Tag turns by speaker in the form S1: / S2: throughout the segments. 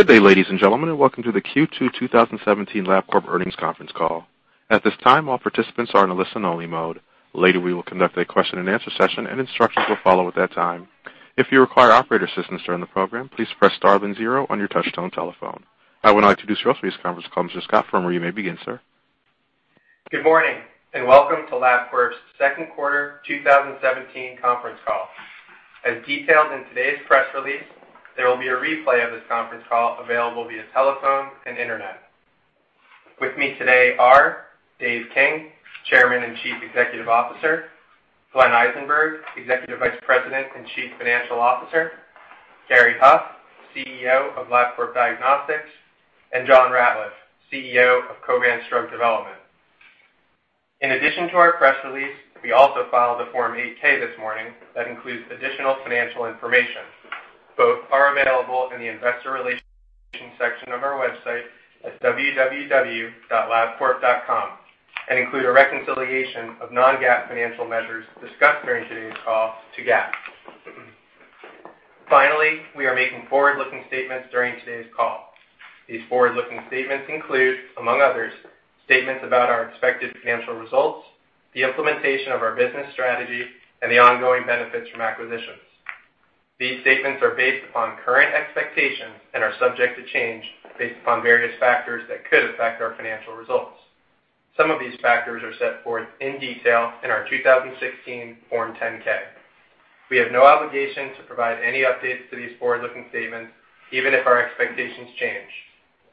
S1: Good day, ladies and gentlemen, and welcome to the Q2 2017 Labcorp Holdings conference call. At this time, all participants are in a listen-only mode. Later, we will conduct a question-and-answer session, and instructions will follow at that time. If you require operator assistance during the program, please press star then zero on your touch-tone telephone. I would now like to introduce your host for this conference call, Mr. Scott. From where you may begin, sir.
S2: Good morning, and welcome to Labcorp's second quarter 2017 conference call. As detailed in today's press release, there will be a replay of this conference call available via telephone and internet. With me today are Dave King, Chairman and Chief Executive Officer; Glenn Eisenberg, Executive Vice President and Chief Financial Officer; Gary Huff, CEO of Labcorp Diagnostics; and John Ratliff, CEO of Covance Drug Development. In addition to our press release, we also filed a Form 8-K this morning that includes additional financial information. Both are available in the investor relation section of our website at www.labcorp.com and include a reconciliation of non-GAAP financial measures discussed during today's call to GAAP. Finally, we are making forward-looking statements during today's call. These forward-looking statements include, among others, statements about our expected financial results, the implementation of our business strategy, and the ongoing benefits from acquisitions. These statements are based upon current expectations and are subject to change based upon various factors that could affect our financial results. Some of these factors are set forth in detail in our 2016 Form 10-K. We have no obligation to provide any updates to these forward-looking statements, even if our expectations change.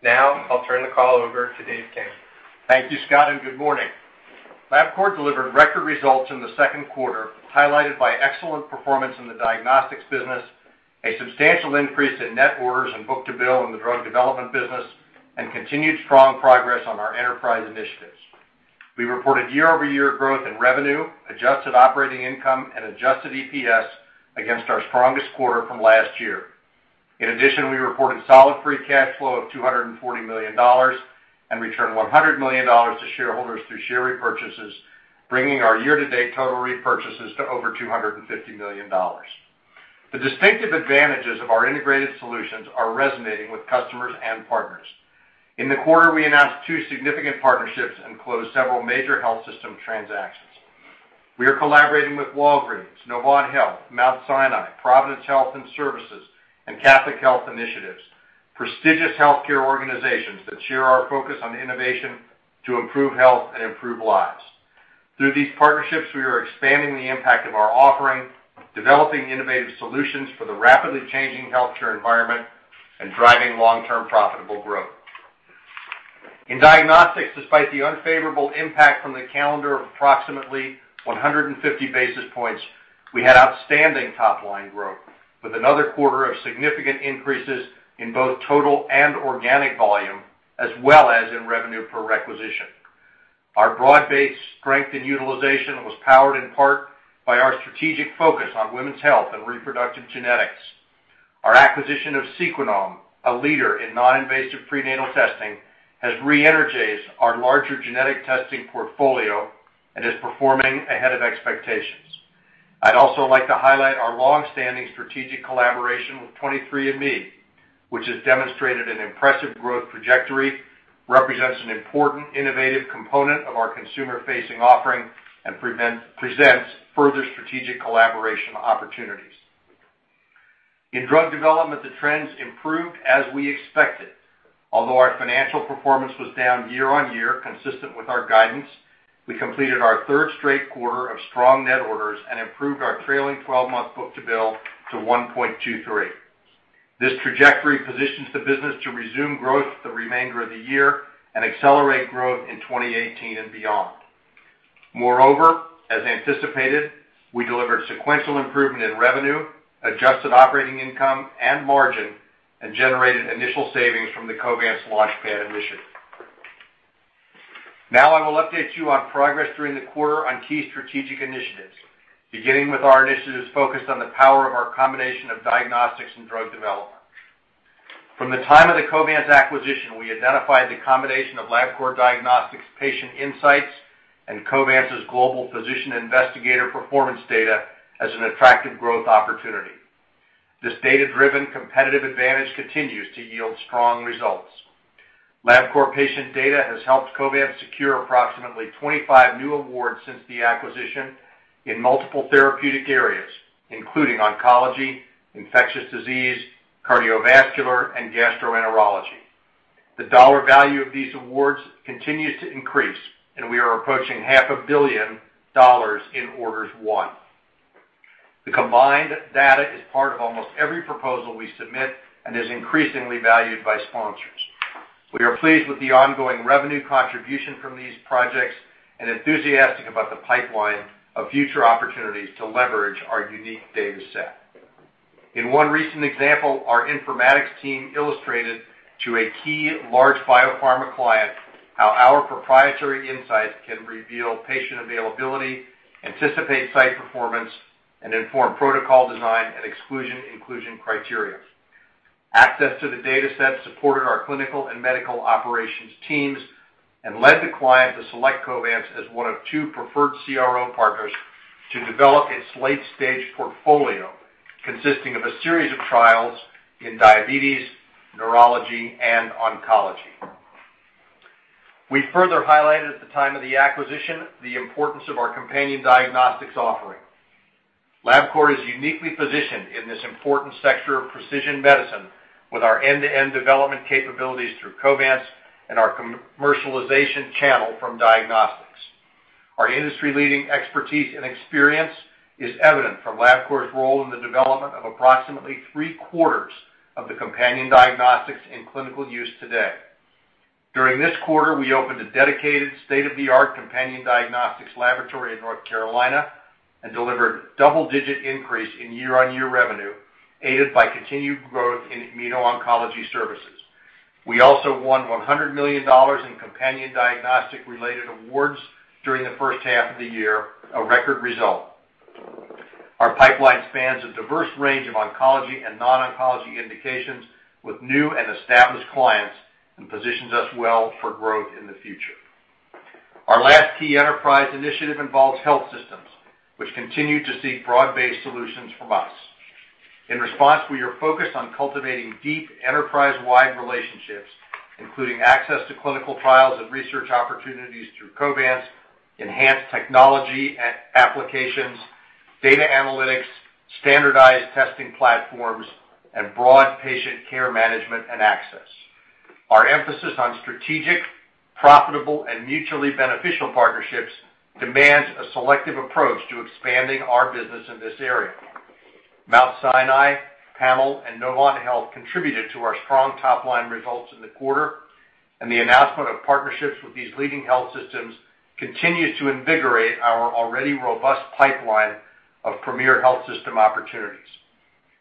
S2: Now, I'll turn the call over to Dave King.
S3: Thank you, Scott, and good morning. Labcorp delivered record results in the second quarter, highlighted by excellent performance in the diagnostics business, a substantial increase in net orders and book-to-bill in the drug development business, and continued strong progress on our enterprise initiatives. We reported year-over-year growth in revenue, adjusted operating income, and adjusted EPS against our strongest quarter from last year. In addition, we reported solid free cash flow of $240 million and returned $100 million to shareholders through share repurchases, bringing our year-to-date total repurchases to over $250 million. The distinctive advantages of our integrated solutions are resonating with customers and partners. In the quarter, we announced two significant partnerships and closed several major health system transactions. We are collaborating with Walgreens, Novant Health, Mount Sinai, Providence Health and Services, and Catholic Health Initiatives, prestigious healthcare organizations that share our focus on innovation to improve health and improve lives. Through these partnerships, we are expanding the impact of our offering, developing innovative solutions for the rapidly changing healthcare environment, and driving long-term profitable growth. In diagnostics, despite the unfavorable impact from the calendar of approximately 150 basis points, we had outstanding top-line growth, with another quarter of significant increases in both total and organic volume, as well as in revenue per requisition. Our broad-based strength in utilization was powered in part by our strategic focus on women's health and reproductive genetics. Our acquisition of Sequoia Genetics, a leader in non-invasive prenatal testing, has re-energized our larger genetic testing portfolio and is performing ahead of expectations. I'd also like to highlight our long-standing strategic collaboration with 23andMe, which has demonstrated an impressive growth trajectory, represents an important innovative component of our consumer-facing offering, and presents further strategic collaboration opportunities. In drug development, the trends improved as we expected. Although our financial performance was down year-on-year, consistent with our guidance, we completed our third straight quarter of strong net orders and improved our trailing 12-month book-to-bill to 1.23. This trajectory positions the business to resume growth the remainder of the year and accelerate growth in 2018 and beyond. Moreover, as anticipated, we delivered sequential improvement in revenue, adjusted operating income and margin, and generated initial savings from the Covance Launchpad initiative. Now, I will update you on progress during the quarter on key strategic initiatives, beginning with our initiatives focused on the power of our combination of diagnostics and drug development. From the time of the Covance acquisition, we identified the combination of Labcorp Diagnostics' patient insights and Covance's global physician investigator performance data as an attractive growth opportunity. This data-driven competitive advantage continues to yield strong results. Labcorp patient data has helped Covance secure approximately 25 new awards since the acquisition in multiple therapeutic areas, including oncology, infectious disease, cardiovascular, and gastroenterology. The dollar value of these awards continues to increase, and we are approaching $500 million in orders won. The combined data is part of almost every proposal we submit and is increasingly valued by sponsors. We are pleased with the ongoing revenue contribution from these projects and enthusiastic about the pipeline of future opportunities to leverage our unique data set. In one recent example, our informatics team illustrated to a key large biopharma client how our proprietary insights can reveal patient availability, anticipate site performance, and inform protocol design and exclusion/inclusion criteria. Access to the data set supported our clinical and medical operations teams and led the client to select Covance as one of two preferred CRO partners to develop its late-stage portfolio consisting of a series of trials in diabetes, neurology, and oncology. We further highlighted at the time of the acquisition the importance of our companion diagnostics offering. Labcorp is uniquely positioned in this important sector of precision medicine with our end-to-end development capabilities through Covance and our commercialization channel from diagnostics. Our industry-leading expertise and experience is evident from Labcorp's role in the development of approximately three-quarters of the companion diagnostics in clinical use today. During this quarter, we opened a dedicated state-of-the-art companion diagnostics laboratory in North Carolina and delivered a double-digit increase in year-on-year revenue, aided by continued growth in immuno-oncology services. We also won $100 million in companion diagnostic-related awards during the first half of the year, a record result. Our pipeline spans a diverse range of oncology and non-oncology indications with new and established clients and positions us well for growth in the future. Our last key enterprise initiative involves health systems, which continue to seek broad-based solutions from us. In response, we are focused on cultivating deep enterprise-wide relationships, including access to clinical trials and research opportunities through Covance, enhanced technology applications, data analytics, standardized testing platforms, and broad patient care management and access. Our emphasis on strategic, profitable, and mutually beneficial partnerships demands a selective approach to expanding our business in this area. Mount Sinai, Palomar Health, and Novant Health contributed to our strong top-line results in the quarter, and the announcement of partnerships with these leading health systems continues to invigorate our already robust pipeline of premier health system opportunities.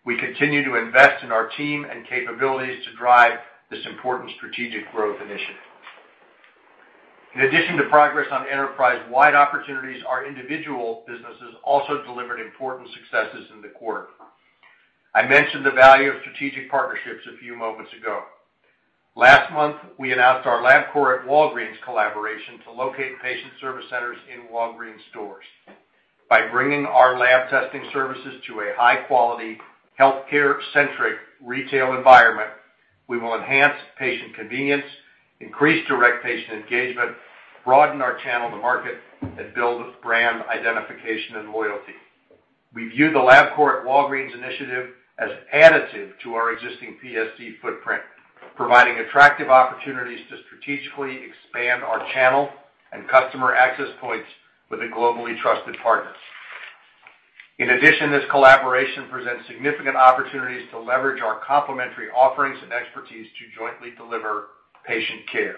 S3: We continue to invest in our team and capabilities to drive this important strategic growth initiative. In addition to progress on enterprise-wide opportunities, our individual businesses also delivered important successes in the quarter. I mentioned the value of strategic partnerships a few moments ago. Last month, we announced our Labcorp at Walgreens collaboration to locate patient service centers in Walgreens stores. By bringing our lab testing services to a high-quality healthcare-centric retail environment, we will enhance patient convenience, increase direct patient engagement, broaden our channel to market, and build brand identification and loyalty. We view the Labcorp at Walgreens initiative as additive to our existing PSC footprint, providing attractive opportunities to strategically expand our channel and customer access points with a globally trusted partner. In addition, this collaboration presents significant opportunities to leverage our complementary offerings and expertise to jointly deliver patient care.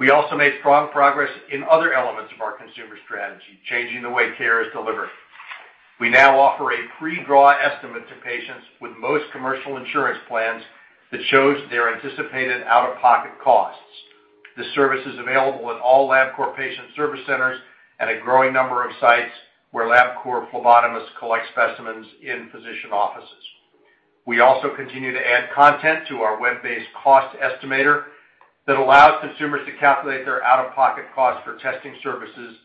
S3: We also made strong progress in other elements of our consumer strategy, changing the way care is delivered. We now offer a pre-draw estimate to patients with most commercial insurance plans that shows their anticipated out-of-pocket costs. This service is available at all Labcorp patient service centers and a growing number of sites where Labcorp phlebotomists collect specimens in physician offices. We also continue to add content to our web-based cost estimator that allows consumers to calculate their out-of-pocket costs for testing services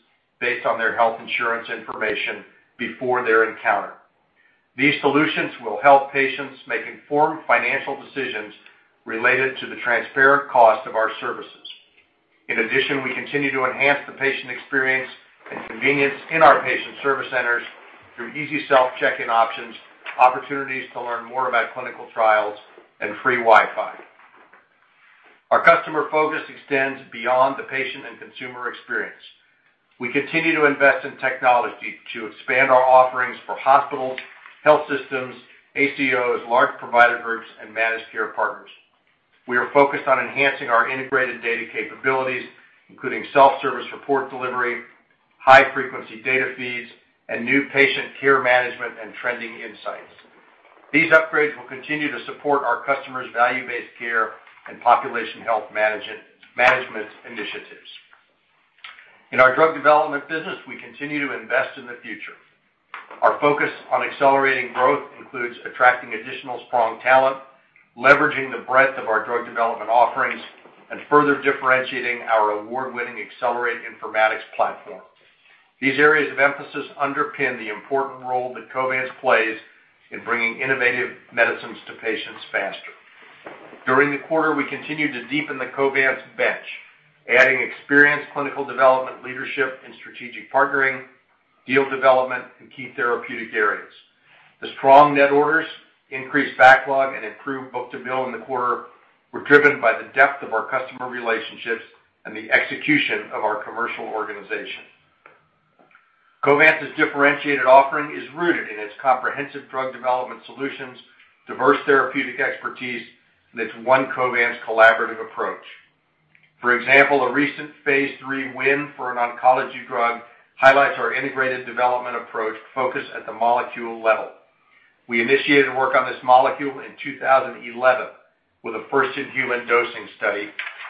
S3: based on their health insurance information before their encounter. These solutions will help patients make informed financial decisions related to the transparent cost of our services. In addition, we continue to enhance the patient experience and convenience in our patient service centers through easy self-check-in options, opportunities to learn more about clinical trials, and free Wi-Fi. Our customer focus extends beyond the patient and consumer experience. We continue to invest in technology to expand our offerings for hospitals, health systems, ACOs, large provider groups, and managed care partners. We are focused on enhancing our integrated data capabilities, including self-service report delivery, high-frequency data feeds, and new patient care management and trending insights. These upgrades will continue to support our customers' value-based care and population health management initiatives. In our drug development business, we continue to invest in the future. Our focus on accelerating growth includes attracting additional strong talent, leveraging the breadth of our drug development offerings, and further differentiating our award-winning Accelerate Informatics platform. These areas of emphasis underpin the important role that Covance plays in bringing innovative medicines to patients faster. During the quarter, we continue to deepen the Covance bench, adding experienced clinical development leadership and strategic partnering, field development, and key therapeutic areas. The strong net orders, increased backlog, and improved book-to-bill in the quarter were driven by the depth of our customer relationships and the execution of our commercial organization. Covance's differentiated offering is rooted in its comprehensive drug development solutions, diverse therapeutic expertise, and its One Covance collaborative approach. For example, a recent phase three win for an oncology drug highlights our integrated development approach focused at the molecule level. We initiated work on this molecule in 2011 with a first-in-human dosing study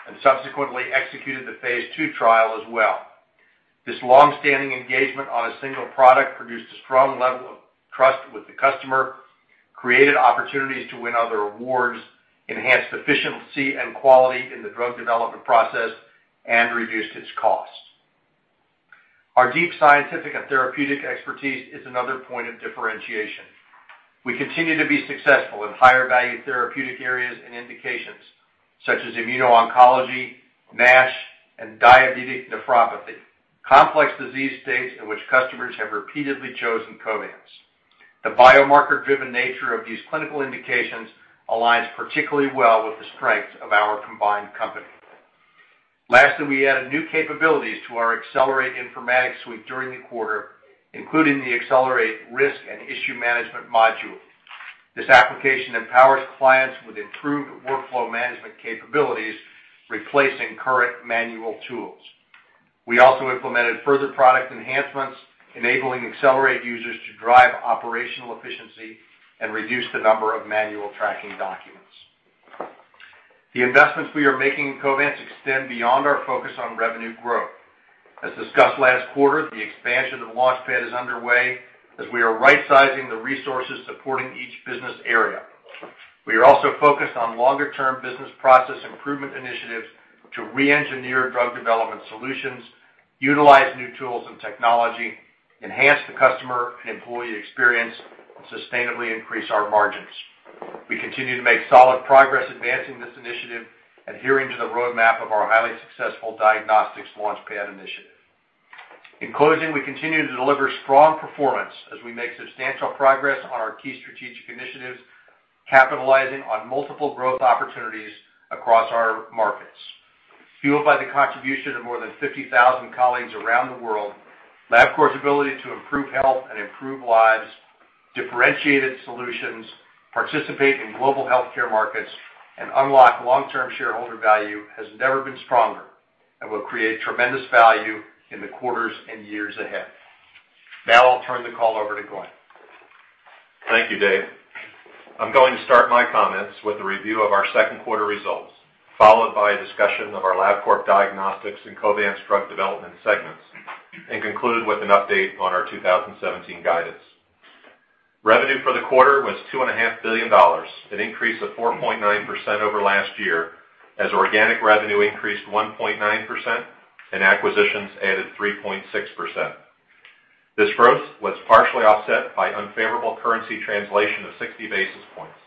S3: and subsequently executed the phase two trial as well. This long-standing engagement on a single product produced a strong level of trust with the customer, created opportunities to win other awards, enhanced efficiency and quality in the drug development process, and reduced its cost. Our deep scientific and therapeutic expertise is another point of differentiation. We continue to be successful in higher-value therapeutic areas and indications such as immuno-oncology, NASH, and diabetic nephropathy, complex disease states in which customers have repeatedly chosen Covance. The biomarker-driven nature of these clinical indications aligns particularly well with the strengths of our combined company. Lastly, we added new capabilities to our Accelerate Informatics suite during the quarter, including the Accelerate Risk and Issue Management module. This application empowers clients with improved workflow management capabilities, replacing current manual tools. We also implemented further product enhancements, enabling Accelerate users to drive operational efficiency and reduce the number of manual tracking documents. The investments we are making in Koban's extend beyond our focus on revenue growth. As discussed last quarter, the expansion of Launchpad is underway as we are right-sizing the resources supporting each business area. We are also focused on longer-term business process improvement initiatives to re-engineer drug development solutions, utilize new tools and technology, enhance the customer and employee experience, and sustainably increase our margins. We continue to make solid progress advancing this initiative and adhering to the roadmap of our highly successful diagnostics Launchpad initiative. In closing, we continue to deliver strong performance as we make substantial progress on our key strategic initiatives, capitalizing on multiple growth opportunities across our markets. Fueled by the contribution of more than 50,000 colleagues around the world, Labcorp's ability to improve health and improve lives, differentiated solutions, participate in global healthcare markets, and unlock long-term shareholder value has never been stronger and will create tremendous value in the quarters and years ahead. Now, I'll turn the call over to Glenn. Thank you, Dave. I'm going to start my comments with a review of our second quarter results, followed by a discussion of our Labcorp Diagnostics and Covance drug development segments, and conclude with an update on our 2017 guidance. Revenue for the quarter was $2.5 billion, an increase of 4.9% over last year as organic revenue increased 1.9% and acquisitions added 3.6%. This growth was partially offset by unfavorable currency translation of 60 basis points.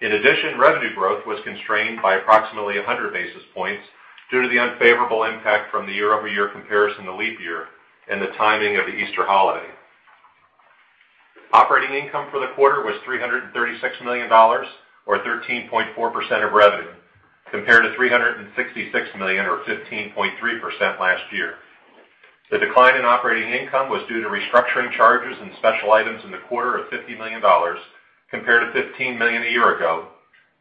S3: In addition, revenue growth was constrained by approximately 100 basis points due to the unfavorable impact from the year-over-year comparison to leap year and the timing of the Easter holiday. Operating income for the quarter was $336 million, or 13.4% of revenue, compared to $366 million, or 15.3% last year. The decline in operating income was due to restructuring charges and special items in the quarter of $50 million, compared to $15 million a year ago,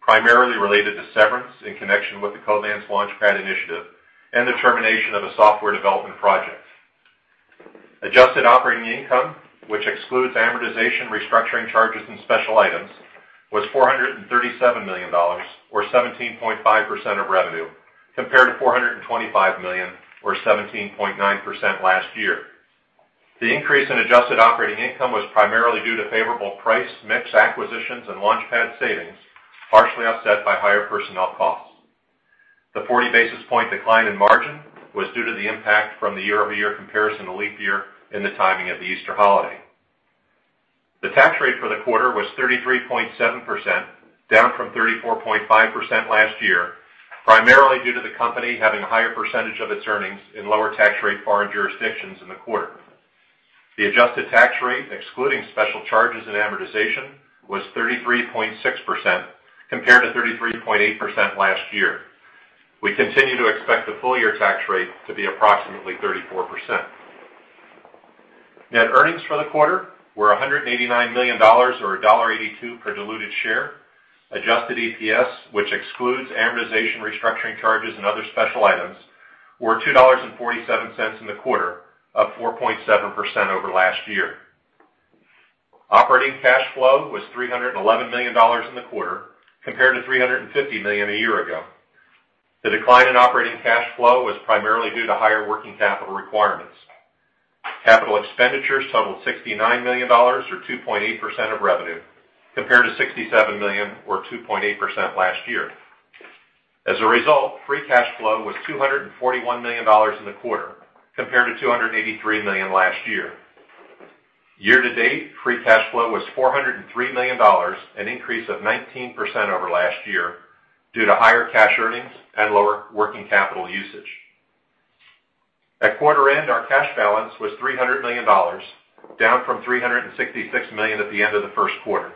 S3: primarily related to severance in connection with the Launchpad initiative and the termination of a software development project. Adjusted operating income, which excludes amortization, restructuring charges, and special items, was $437 million, or 17.5% of revenue, compared to $425 million, or 17.9% last year. The increase in adjusted operating income was primarily due to favorable price mix acquisitions and Launchpad savings, partially offset by higher personnel costs. The 40 basis point decline in margin was due to the impact from the year-over-year comparison to leap year and the timing of the Easter holiday. The tax rate for the quarter was 33.7%, down from 34.5% last year, primarily due to the company having a higher percentage of its earnings in lower tax rate foreign jurisdictions in the quarter. The adjusted tax rate, excluding special charges and amortization, was 33.6%, compared to 33.8% last year. We continue to expect the full-year tax rate to be approximately 34%. Net earnings for the quarter were $189 million, or $1.82 per diluted share. Adjusted EPS, which excludes amortization, restructuring charges, and other special items, was $2.47 in the quarter, up 4.7% over last year. Operating cash flow was $311 million in the quarter, compared to $350 million a year ago. The decline in operating cash flow was primarily due to higher working capital requirements. Capital expenditures totaled $69 million, or 2.8% of revenue, compared to $67 million, or 2.8% last year. As a result, free cash flow was $241 million in the quarter, compared to $283 million last year. Year-to-date, free cash flow was $403 million, an increase of 19% over last year due to higher cash earnings and lower working capital usage. At quarter end, our cash balance was $300 million, down from $366 million at the end of the first quarter.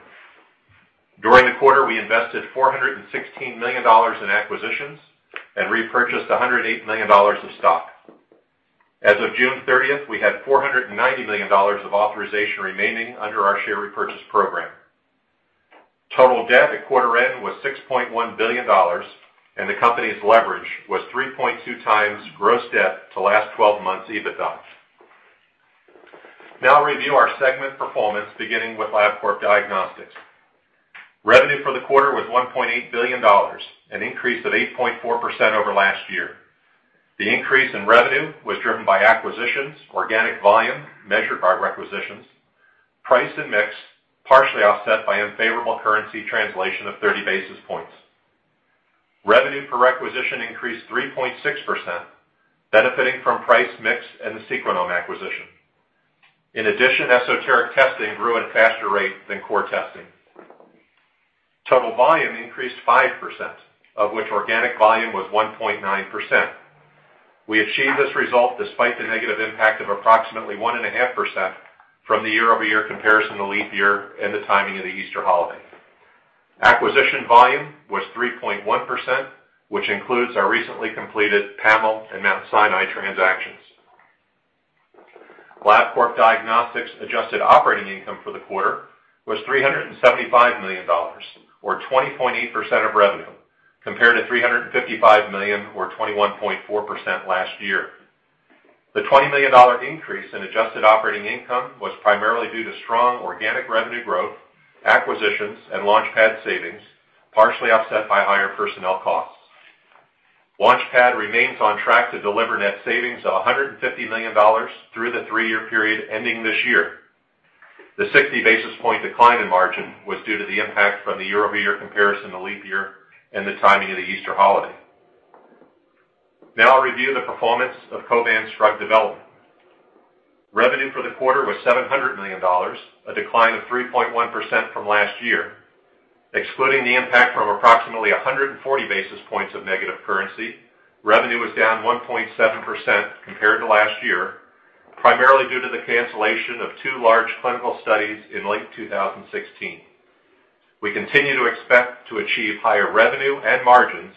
S3: During the quarter, we invested $416 million in acquisitions and repurchased $108 million of stock. As of June 30th, we had $490 million of authorization remaining under our share repurchase program. Total debt at quarter end was $6.1 billion, and the company's leverage was 3.2 times gross debt to last 12 months EBITDA. Now, I'll review our segment performance, beginning with Labcorp Diagnostics. Revenue for the quarter was $1.8 billion, an increase of 8.4% over last year. The increase in revenue was driven by acquisitions, organic volume measured by requisitions, price and mix, partially offset by unfavorable currency translation of 30 basis points. Revenue per requisition increased 3.6%, benefiting from price mix and the Sequoia acquisition. In addition, esoteric testing grew at a faster rate than core testing. Total volume increased 5%, of which organic volume was 1.9%. We achieved this result despite the negative impact of approximately 1.5% from the year-over-year comparison to leap year and the timing of the Easter holiday. Acquisition volume was 3.1%, which includes our recently completed Palomar Health and Mount Sinai transactions. Labcorp Diagnostics' adjusted operating income for the quarter was $375 million, or 20.8% of revenue, compared to $355 million, or 21.4% last year. The $20 million increase in adjusted operating income was primarily due to strong organic revenue growth, acquisitions, and Launchpad savings, partially offset by higher personnel costs. Launchpad remains on track to deliver net savings of $150 million through the three-year period ending this year. The 60 basis point decline in margin was due to the impact from the year-over-year comparison to leap year and the timing of the Easter holiday. Now, I'll review the performance of Covance's drug development. Revenue for the quarter was $700 million, a decline of 3.1% from last year. Excluding the impact from approximately 140 basis points of negative currency, revenue was down 1.7% compared to last year, primarily due to the cancellation of two large clinical studies in late 2016. We continue to expect to achieve higher revenue and margins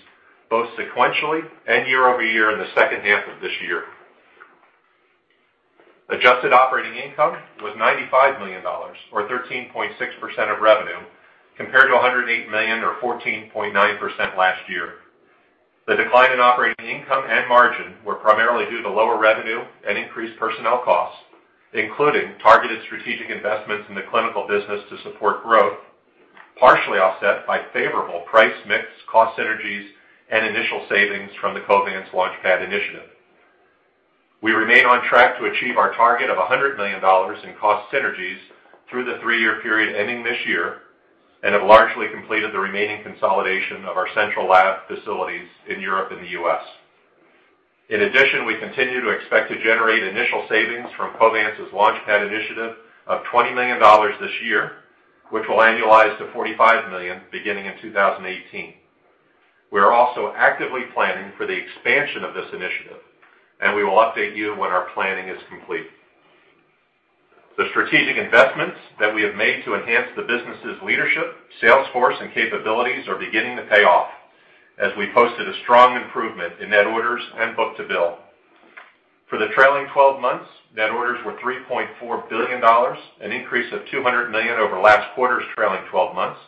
S3: both sequentially and year-over-year in the second half of this year. Adjusted operating income was $95 million, or 13.6% of revenue, compared to $108 million, or 14.9% last year. The decline in operating income and margin was primarily due to lower revenue and increased personnel costs, including targeted strategic investments in the clinical business to support growth, partially offset by favorable price mix, cost synergies, and initial savings from the Launchpad initiative. We remain on track to achieve our target of $100 million in cost synergies through the three-year period ending this year and have largely completed the remaining consolidation of our central lab facilities in Europe and the U.S. In addition, we continue to expect to generate initial savings from the Launchpad initiative of $20 million this year, which will annualize to $45 million beginning in 2018. We are also actively planning for the expansion of this initiative, and we will update you when our planning is complete. The strategic investments that we have made to enhance the business's leadership, sales force, and capabilities are beginning to pay off as we posted a strong improvement in net orders and book-to-bill. For the trailing 12 months, net orders were $3.4 billion, an increase of $200 million over last quarter's trailing 12 months,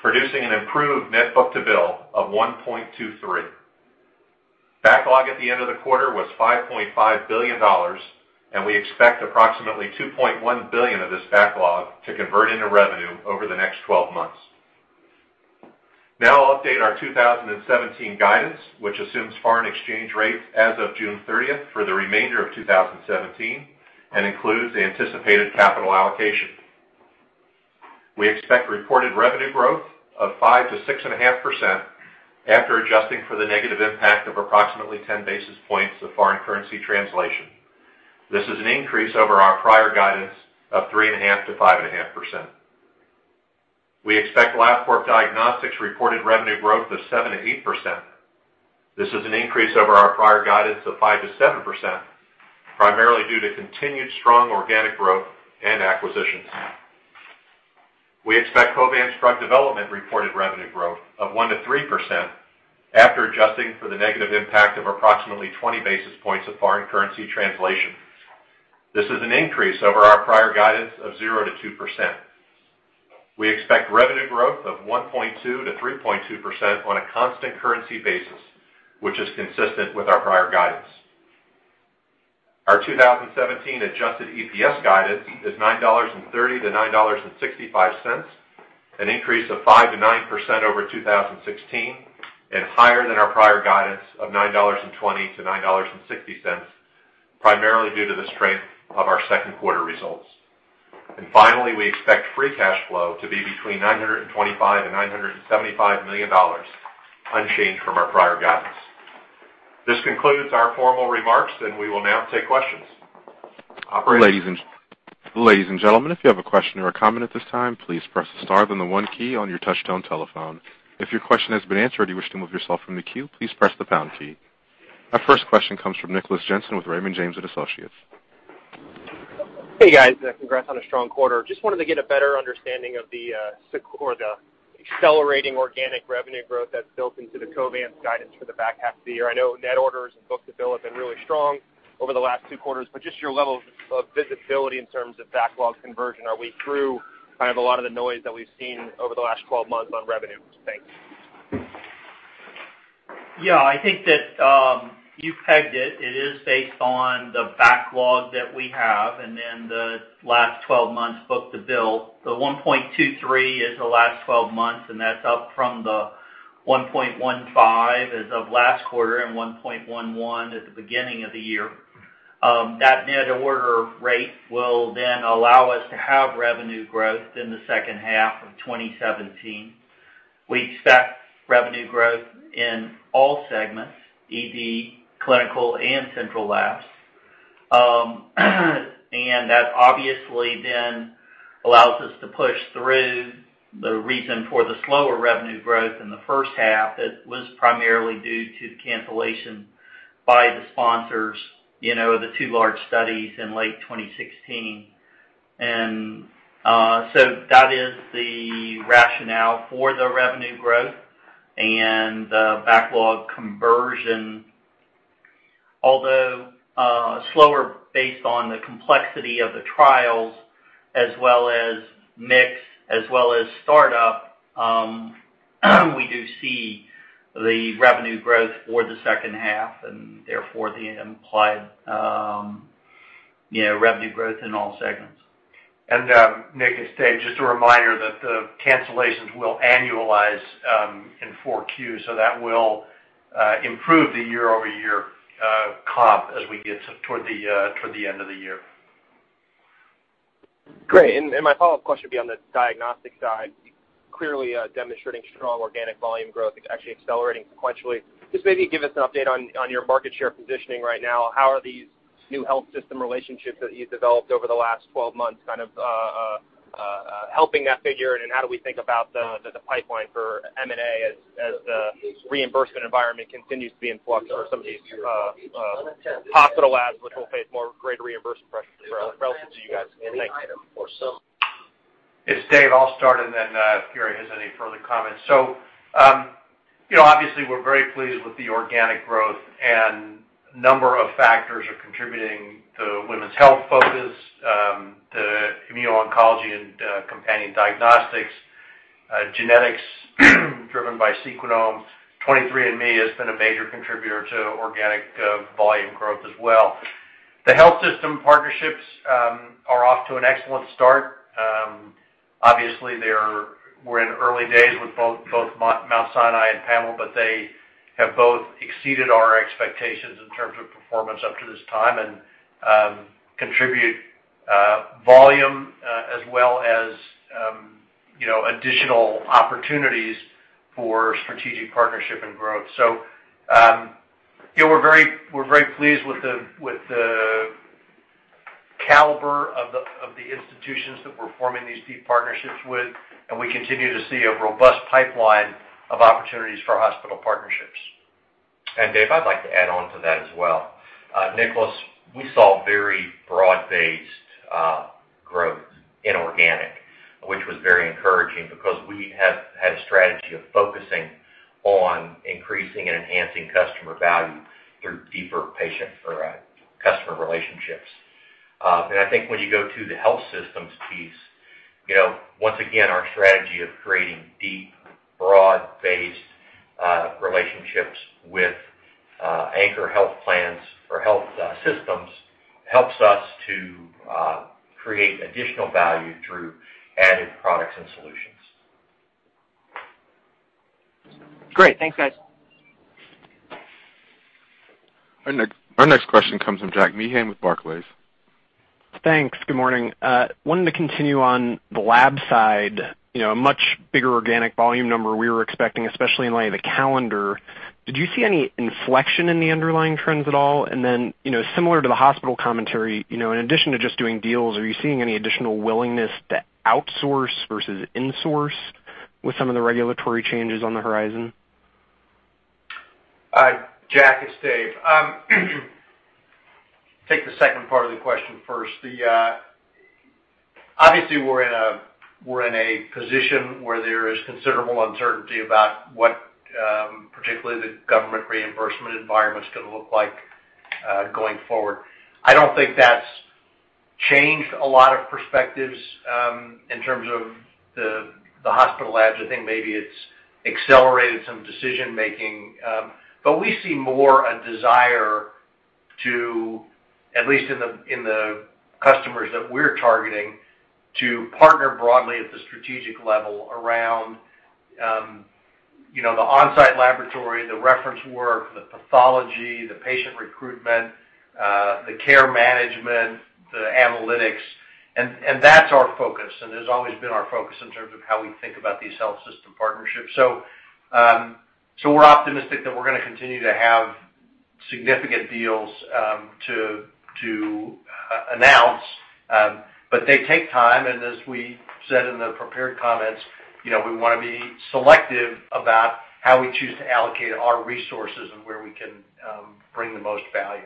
S3: producing an improved net book-to-bill of 1.23. Backlog at the end of the quarter was $5.5 billion, and we expect approximately $2.1 billion of this backlog to convert into revenue over the next 12 months. Now, I'll update our 2017 guidance, which assumes foreign exchange rates as of June 30 for the remainder of 2017 and includes the anticipated capital allocation. We expect reported revenue growth of 5%-6.5% after adjusting for the negative impact of approximately 10 basis points of foreign currency translation. This is an increase over our prior guidance of 3.5%-5.5%. We expect Labcorp Diagnostics' reported revenue growth of 7%-8%. This is an increase over our prior guidance of 5%-7%, primarily due to continued strong organic growth and acquisitions. We expect Covance's drug development reported revenue growth of 1%-3% after adjusting for the negative impact of approximately 20 basis points of foreign currency translation. This is an increase over our prior guidance of 0%-2%. We expect revenue growth of 1.2%-3.2% on a constant currency basis, which is consistent with our prior guidance. Our 2017 adjusted EPS guidance is $9.30-$9.65, an increase of 5%-9% over 2016, and higher than our prior guidance of $9.20-$9.60, primarily due to the strength of our second quarter results. Finally, we expect free cash flow to be between $925 million and $975 million, unchanged from our prior guidance. This concludes our formal remarks, and we will now take questions.
S1: Ladies and gentlemen, if you have a question or a comment at this time, please press the star then the one key on your touch-tone telephone. If your question has been answered or you wish to remove yourself from the queue, please press the pound key. Our first question comes from Nicholas Jansen with Raymond James and Associates.
S4: Hey, guys. Congrats on a strong quarter. Just wanted to get a better understanding of the accelerating organic revenue growth that's built into the Covance guidance for the back half of the year. I know net orders and book-to-bill have been really strong over the last two quarters, but just your level of visibility in terms of backlog conversion. Are we through kind of a lot of the noise that we've seen over the last 12 months on revenue? Thanks. Yeah.
S5: I think that you pegged it. It is based on the backlog that we have and then the last 12 months book-to-bill. The 1.23% is the last 12 months, and that's up from the 1.15% as of last quarter and 1.11% at the beginning of the year. That net order rate will then allow us to have revenue growth in the second half of 2017. We expect revenue growth in all segments, ED, clinical, and central labs. That obviously then allows us to push through the reason for the slower revenue growth in the first half that was primarily due to cancellation by the sponsors, the two large studies in late 2016. That is the rationale for the revenue growth and the backlog conversion. Although slower based on the complexity of the trials as well as mix as well as startup, we do see the revenue growth for the second half and therefore the implied revenue growth in all segments.
S3: Nick, just a reminder that the cancellations will annualize in four Qs, so that will improve the year-over-year comp as we get toward the end of the year.
S4: Great. My follow-up question would be on the diagnostic side. Clearly demonstrating strong organic volume growth, actually accelerating sequentially. Just maybe give us an update on your market share positioning right now. How are these new health system relationships that you developed over the last 12 months kind of helping that figure, and how do we think about the pipeline for M&A as the reimbursement environment continues to be in flux for some of these hospital labs, which will face more greater reimbursement pressure relative to you guys? Thanks.
S3: It's Dave Alstert, and then if Gary has any further comments. Obviously, we're very pleased with the organic growth, and a number of factors are contributing: the women's health focus, the immuno-oncology and companion diagnostics, genetics driven by Sequoia. 23andMe has been a major contributor to organic volume growth as well. The health system partnerships are off to an excellent start. Obviously, we're in early days with both Mount Sinai and Palomar Health, but they have both exceeded our expectations in terms of performance up to this time and contribute volume as well as additional opportunities for strategic partnership and growth. We are very pleased with the caliber of the institutions that we're forming these deep partnerships with, and we continue to see a robust pipeline of opportunities for hospital partnerships.
S6: Dave, I'd like to add on to that as well. Nicholas, we saw very broad-based growth in organic, which was very encouraging because we have had a strategy of focusing on increasing and enhancing customer value through deeper customer relationships. I think when you go to the health systems piece, once again, our strategy of creating deep, broad-based relationships with anchor health plans or health systems helps us to create additional value through added products and solutions.
S4: Great. Thanks, guys.
S1: Our next question comes from Jack Meehan with Barclays.
S7: Thanks. Good morning. Wanted to continue on the lab side. A much bigger organic volume number we were expecting, especially in light of the calendar. Did you see any inflection in the underlying trends at all? Then similar to the hospital commentary, in addition to just doing deals, are you seeing any additional willingness to outsource versus insource with some of the regulatory changes on the horizon?
S3: Jack, this is Dave. Take the second part of the question first. Obviously, we're in a position where there is considerable uncertainty about what particularly the government reimbursement environment's going to look like going forward. I do not think that's changed a lot of perspectives in terms of the hospital labs. I think maybe it's accelerated some decision-making. We see more a desire to, at least in the customers that we're targeting, to partner broadly at the strategic level around the on-site laboratory, the reference work, the pathology, the patient recruitment, the care management, the analytics. That's our focus, and it's always been our focus in terms of how we think about these health system partnerships. We are optimistic that we're going to continue to have significant deals to announce, but they take time. As we said in the prepared comments, we want to be selective about how we choose to allocate our resources and where we can bring the most value.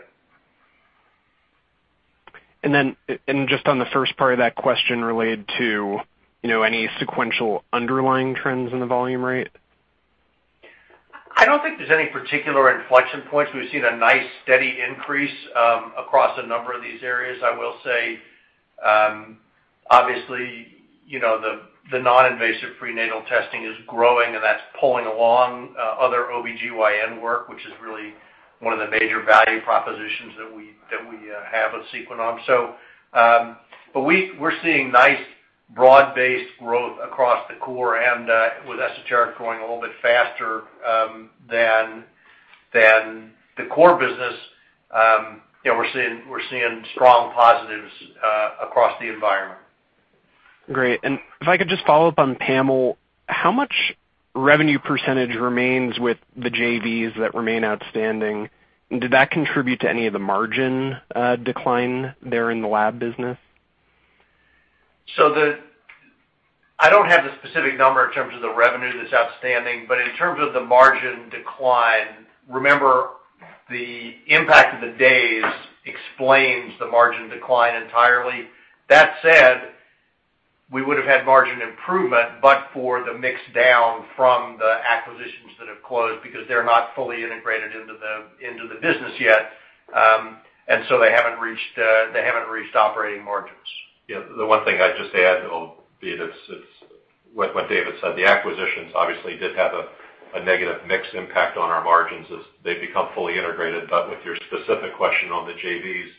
S7: Just on the first part of that question related to any sequential underlying trends in the volume rate?
S3: I don't think there's any particular inflection points. We've seen a nice steady increase across a number of these areas. I will say, obviously, the non-invasive prenatal testing is growing, and that's pulling along other OB-GYN work, which is really one of the major value propositions that we have with Sequoia. But we're seeing nice broad-based growth across the core, and with Essentera growing a little bit faster than the core business, we're seeing strong positives across the environment.
S7: Great. If I could just follow up on PAMA, how much revenue percentage remains with the JVs that remain outstanding? Did that contribute to any of the margin decline there in the lab business?
S3: I don't have the specific number in terms of the revenue that's outstanding, but in terms of the margin decline, remember the impact of the days explains the margin decline entirely. That said, we would have had margin improvement, but for the mix down from the acquisitions that have closed because they're not fully integrated into the business yet, and so they haven't reached operating margins.
S6: Yeah. The one thing I'd just add, albeit it's what David said, the acquisitions obviously did have a negative mix impact on our margins as they've become fully integrated. With your specific question on the JVs,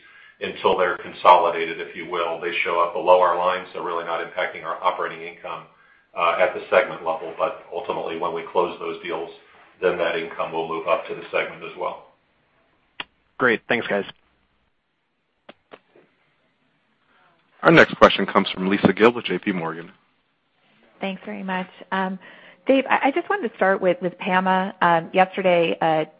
S6: until they're consolidated, if you will, they show up below our lines, so really not impacting our operating income at the segment level. Ultimately, when we close those deals, then that income will move up to the segment as well.
S7: Great. Thanks, guys.
S1: Our next question comes from Lisa Gill with JP Morgan.
S8: Thanks very much. Dave, I just wanted to start with PAMA. Yesterday, Quest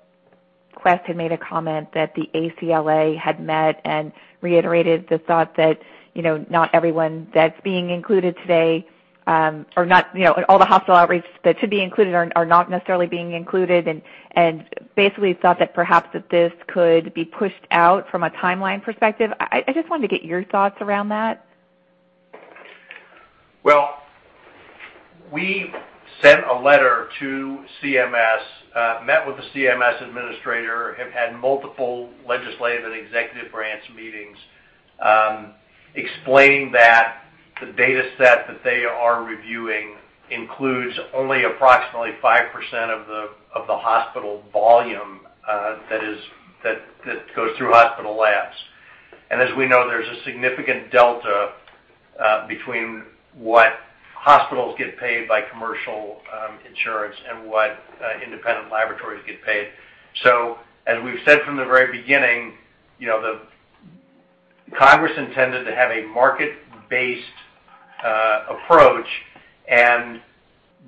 S8: had made a comment that the ACLA had met and reiterated the thought that not everyone that's being included today or not all the hospital outreach that should be included are not necessarily being included, and basically thought that perhaps that this could be pushed out from a timeline perspective. I just wanted to get your thoughts around that.
S3: We sent a letter to CMS, met with the CMS administrator, have had multiple legislative and executive branch meetings explaining that the dataset that they are reviewing includes only approximately 5% of the hospital volume that goes through hospital labs. As we know, there's a significant delta between what hospitals get paid by commercial insurance and what independent laboratories get paid. As we've said from the very beginning, Congress intended to have a market-based approach, and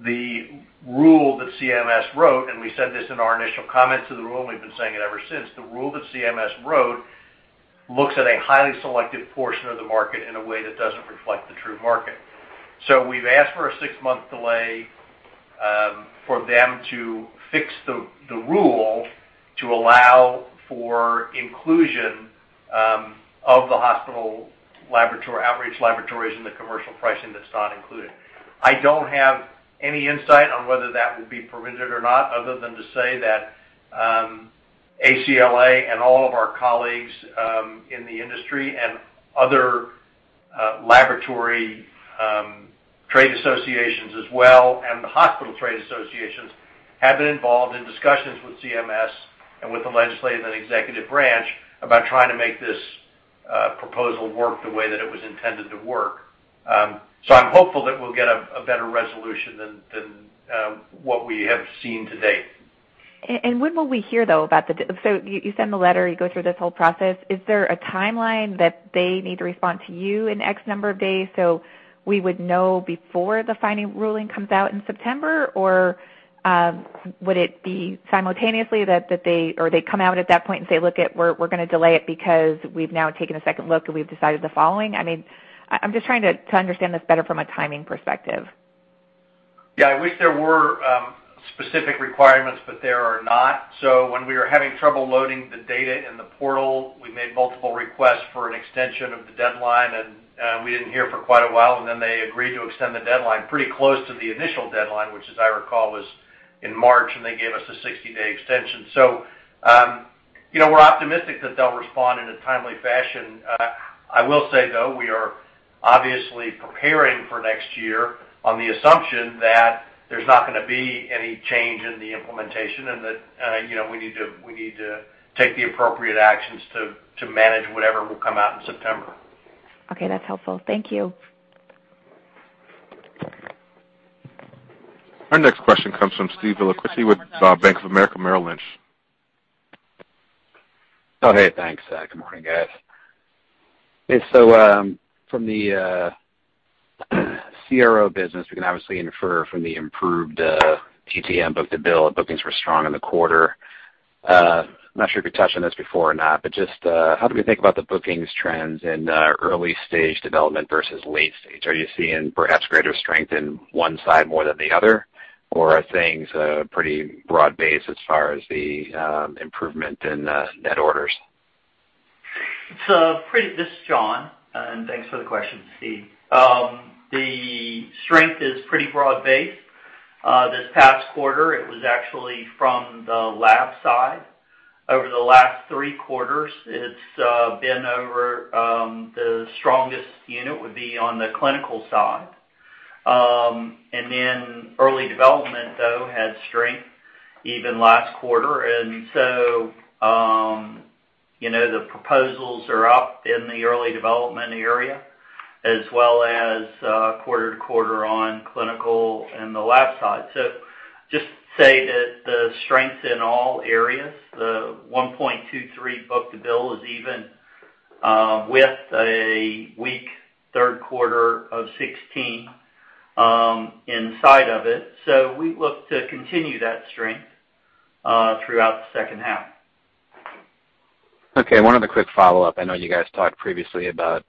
S3: the rule that CMS wrote—and we said this in our initial comments to the rule, and we've been saying it ever since—the rule that CMS wrote looks at a highly selective portion of the market in a way that does not reflect the true market. We've asked for a six-month delay for them to fix the rule to allow for inclusion of the hospital outreach laboratories in the commercial pricing that is not included. I don't have any insight on whether that will be permitted or not, other than to say that ACLA and all of our colleagues in the industry and other laboratory trade associations as well and the hospital trade associations have been involved in discussions with CMS and with the legislative and executive branch about trying to make this proposal work the way that it was intended to work. I'm hopeful that we'll get a better resolution than what we have seen to date.
S8: When will we hear, though, about the—so you send the letter, you go through this whole process. Is there a timeline that they need to respond to you in X number of days so we would know before the final ruling comes out in September, or would it be simultaneously that they come out at that point and say, "Look, we're going to delay it because we've now taken a second look and we've decided the following"? I mean, I'm just trying to understand this better from a timing perspective.
S3: Yeah. I wish there were specific requirements, but there are not. So when we were having trouble loading the data in the portal, we made multiple requests for an extension of the deadline, and we didn't hear for quite a while, and then they agreed to extend the deadline pretty close to the initial deadline, which, as I recall, was in March, and they gave us a 60-day extension. So we're optimistic that they'll respond in a timely fashion. I will say, though, we are obviously preparing for next year on the assumption that there's not going to be any change in the implementation and that we need to take the appropriate actions to manage whatever will come out in September.
S8: Okay. That's helpful. Thank you.
S1: Our next question comes from Steve Villacurti with Bank of America, Merrill Lynch.
S9: Oh, hey. Thanks. Good morning, guys. From the CRO business, we can obviously infer from the improved TTM book-to-bill, bookings were strong in the quarter. I'm not sure if we touched on this before or not, but just how do we think about the bookings trends in early-stage development versus late-stage? Are you seeing perhaps greater strength in one side more than the other, or are things pretty broad-based as far as the improvement in net orders?
S5: This is John, and thanks for the question, Steve. The strength is pretty broad-based. This past quarter, it was actually from the lab side. Over the last three quarters, it's been over the strongest unit would be on the clinical side. Early development, though, had strength even last quarter. The proposals are up in the early development area as well as quarter-to-quarter on clinical and the lab side. Just say that the strength's in all areas. The 1.23% book-to-bill is even with a weak third quarter of 2016 inside of it. We look to continue that strength throughout the second half.
S9: Okay. One other quick follow-up. I know you guys talked previously about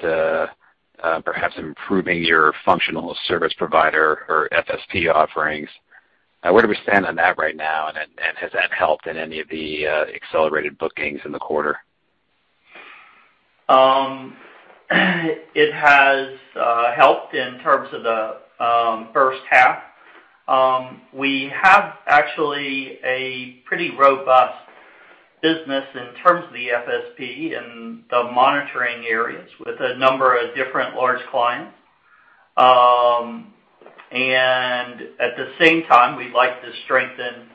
S9: perhaps improving your functional service provider or FSP offerings. Where do we stand on that right now, and has that helped in any of the accelerated bookings in the quarter?
S5: It has helped in terms of the first half. We have actually a pretty robust business in terms of the FSP and the monitoring areas with a number of different large clients. At the same time, we'd like to strengthen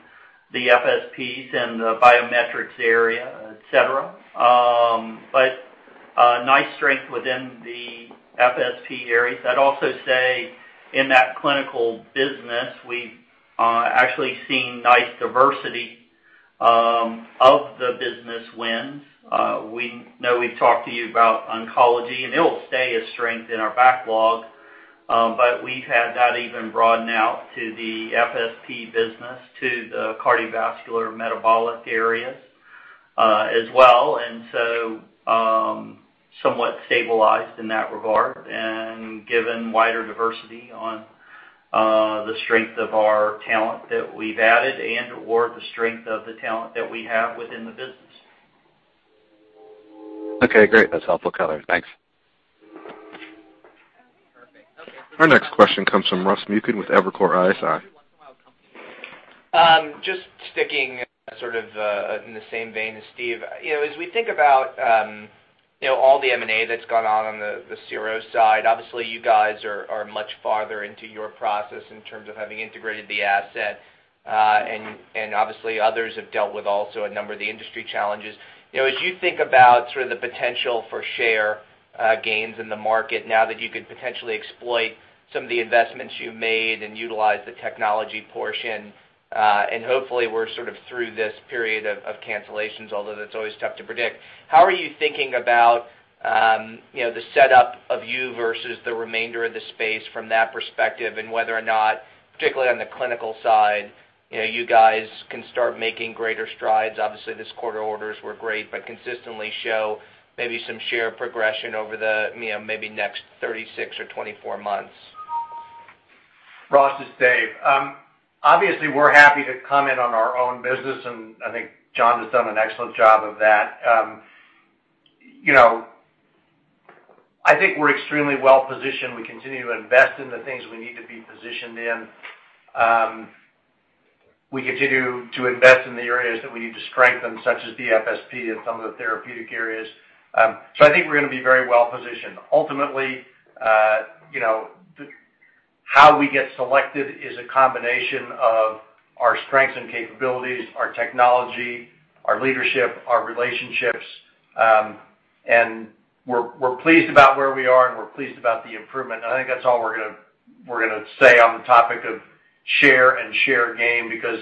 S5: the FSPs in the biometrics area, etc. Nice strength within the FSP areas. I'd also say in that clinical business, we've actually seen nice diversity of the business wins. We know we've talked to you about oncology, and it'll stay a strength in our backlog, but we've had that even broaden out to the FSP business, to the cardiovascular metabolic areas as well, and somewhat stabilized in that regard and given wider diversity on the strength of our talent that we've added and/or the strength of the talent that we have within the business. Okay. Great. That's helpful, Keller. Thanks. Perfect. Okay. This is John.
S1: Our next question comes from Ross Muken with Evercore ISI.
S10: Just sticking sort of in the same vein as Steve, as we think about all the M&A that's gone on on the CRO side, obviously, you guys are much farther into your process in terms of having integrated the asset, and obviously, others have dealt with also a number of the industry challenges. As you think about sort of the potential for share gains in the market now that you could potentially exploit some of the investments you've made and utilize the technology portion, and hopefully, we're sort of through this period of cancellations, although that's always tough to predict, how are you thinking about the setup of you versus the remainder of the space from that perspective and whether or not, particularly on the clinical side, you guys can start making greater strides? Obviously, this quarter orders were great, but consistently show maybe some share progression over the maybe next 36 or 24 months.
S3: Ross is Dave. Obviously, we're happy to comment on our own business, and I think John has done an excellent job of that. I think we're extremely well-positioned. We continue to invest in the things we need to be positioned in. We continue to invest in the areas that we need to strengthen, such as the FSP and some of the therapeutic areas. I think we're going to be very well-positioned. Ultimately, how we get selected is a combination of our strengths and capabilities, our technology, our leadership, our relationships, and we're pleased about where we are, and we're pleased about the improvement. I think that's all we're going to say on the topic of share and share gain because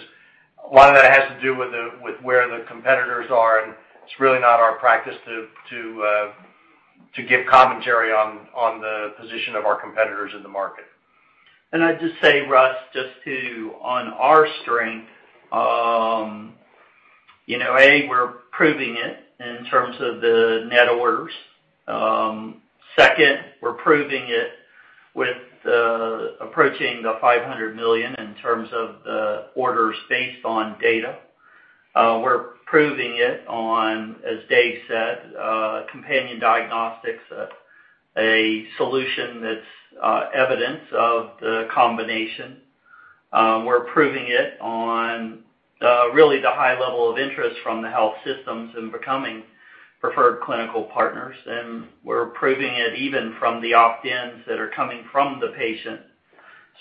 S3: a lot of that has to do with where the competitors are, and it's really not our practice to give commentary on the position of our competitors in the market. I'd just say, Russ, just to on our strength, A, we're proving it in terms of the net orders. Second, we're proving it with approaching the $500 million in terms of the orders based on data. We're proving it on, as Dave said, companion diagnostics, a solution that's evidence of the combination. We're proving it on really the high level of interest from the health systems in becoming preferred clinical partners, and we're proving it even from the opt-ins that are coming from the patient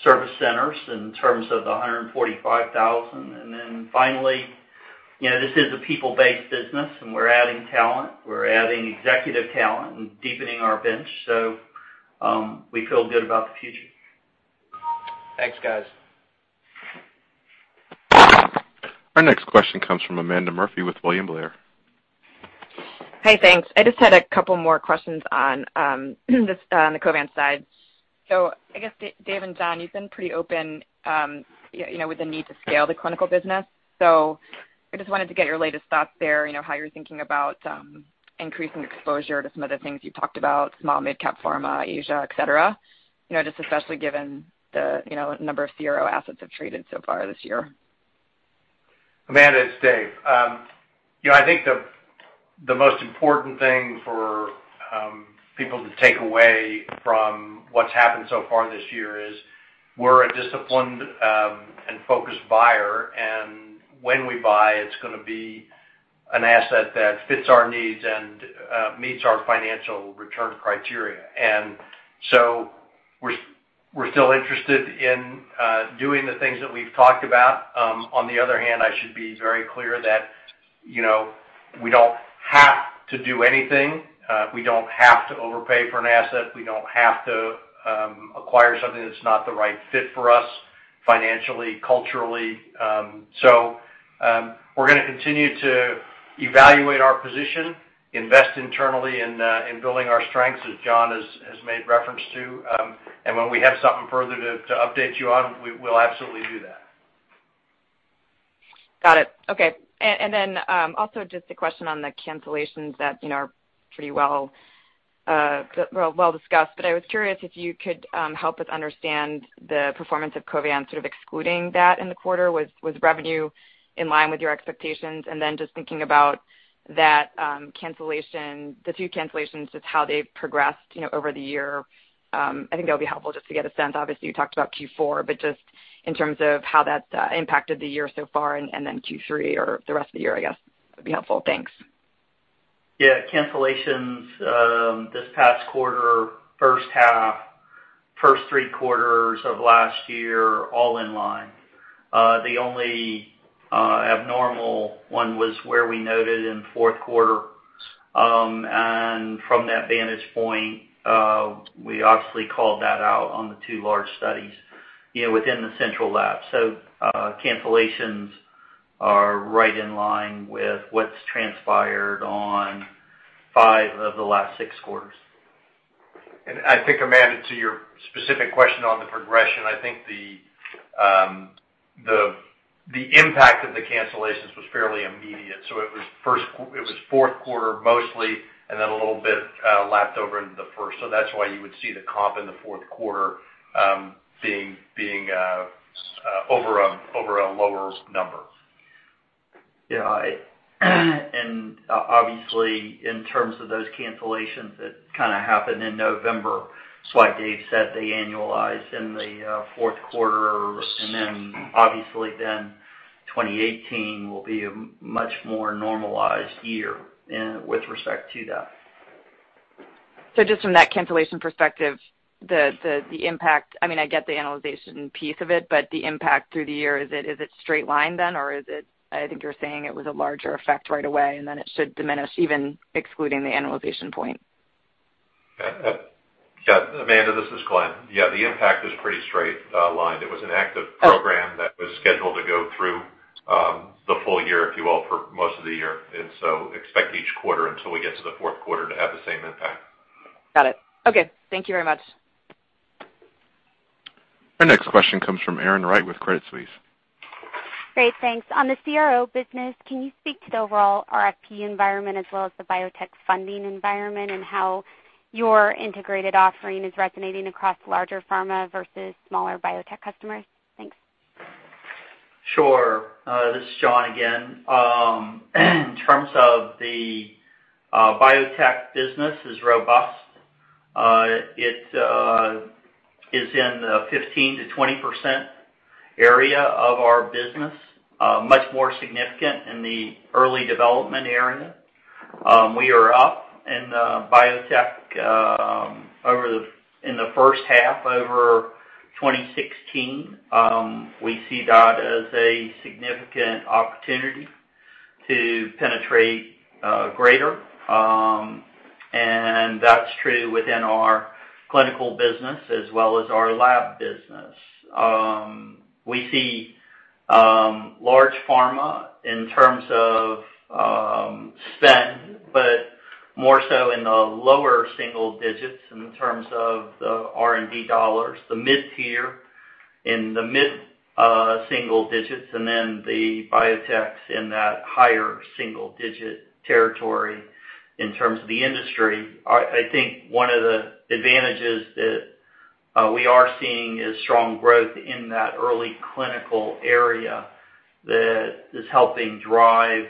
S3: service centers in terms of the 145,000. This is a people-based business, and we're adding talent. We're adding executive talent and deepening our bench, so we feel good about the future.
S10: Thanks, guys.
S1: Our next question comes from Amanda Murphy with William Blair.
S11: Hey, thanks. I just had a couple more questions on the Covance side. I guess, Dave and John, you've been pretty open with the need to scale the clinical business. I just wanted to get your latest thoughts there, how you're thinking about increasing exposure to some of the things you talked about, small, mid-cap pharma, Asia, etc., just especially given the number of CRO assets have traded so far this year.
S3: Amanda, it's Dave. I think the most important thing for people to take away from what's happened so far this year is we're a disciplined and focused buyer, and when we buy, it's going to be an asset that fits our needs and meets our financial return criteria. We're still interested in doing the things that we've talked about. On the other hand, I should be very clear that we don't have to do anything. We don't have to overpay for an asset. We don't have to acquire something that's not the right fit for us financially, culturally. We're going to continue to evaluate our position, invest internally in building our strengths, as John has made reference to. When we have something further to update you on, we'll absolutely do that.
S11: Got it. Okay. Then also just a question on the cancellations that are pretty well-discussed, but I was curious if you could help us understand the performance of Covance sort of excluding that in the quarter. Was revenue in line with your expectations? Just thinking about the two cancellations, just how they've progressed over the year, I think that would be helpful just to get a sense. Obviously, you talked about Q4, but just in terms of how that impacted the year so far and then Q3 or the rest of the year, I guess, would be helpful. Thanks.
S3: Yeah. Cancellations this past quarter, first half, first three quarters of last year, all in line. The only abnormal one was where we noted in fourth quarter. From that vantage point, we obviously called that out on the two large studies within the central lab. Cancellations are right in line with what's transpired on five of the last six quarters. I think, Amanda, to your specific question on the progression, I think the impact of the cancellations was fairly immediate. It was fourth quarter mostly and then a little bit lapped over into the first. That's why you would see the comp in the fourth quarter being over a lower number.
S6: Yeah. Obviously, in terms of those cancellations that kind of happened in November, it's like Dave said, they annualized in the fourth quarter. Obviously, then 2018 will be a much more normalized year with respect to that.
S3: Just from that cancellation perspective, the impact—I mean, I get the annualization piece of it, but the impact through the year, is it straight line then, or is it—I think you're saying it was a larger effect right away, and then it should diminish even excluding the annualization point?
S12: Yeah. Amanda, this is Glenn. Yeah. The impact is pretty straight lined. It was an active program that was scheduled to go through the full year, if you will, for most of the year. Expect each quarter until we get to the fourth quarter to have the same impact.
S11: Got it. Okay. Thank you very much.
S1: Our next question comes from Erin Wright with Credit Suisse.
S13: Great. Thanks. On the CRO business, can you speak to the overall RFP environment as well as the biotech funding environment and how your integrated offering is resonating across larger pharma versus smaller biotech customers? Thanks.
S5: Sure. This is John again. In terms of the biotech business, it's robust. It is in the 15%-20% area of our business, much more significant in the early development area. We are up in biotech in the first half over 2016. We see that as a significant opportunity to penetrate greater. That is true within our clinical business as well as our lab business. We see large pharma in terms of spend, but more so in the lower single digits in terms of the R&D dollars, the mid-tier in the mid-single digits, and then the biotechs in that higher single-digit territory in terms of the industry. I think one of the advantages that we are seeing is strong growth in that early clinical area that is helping drive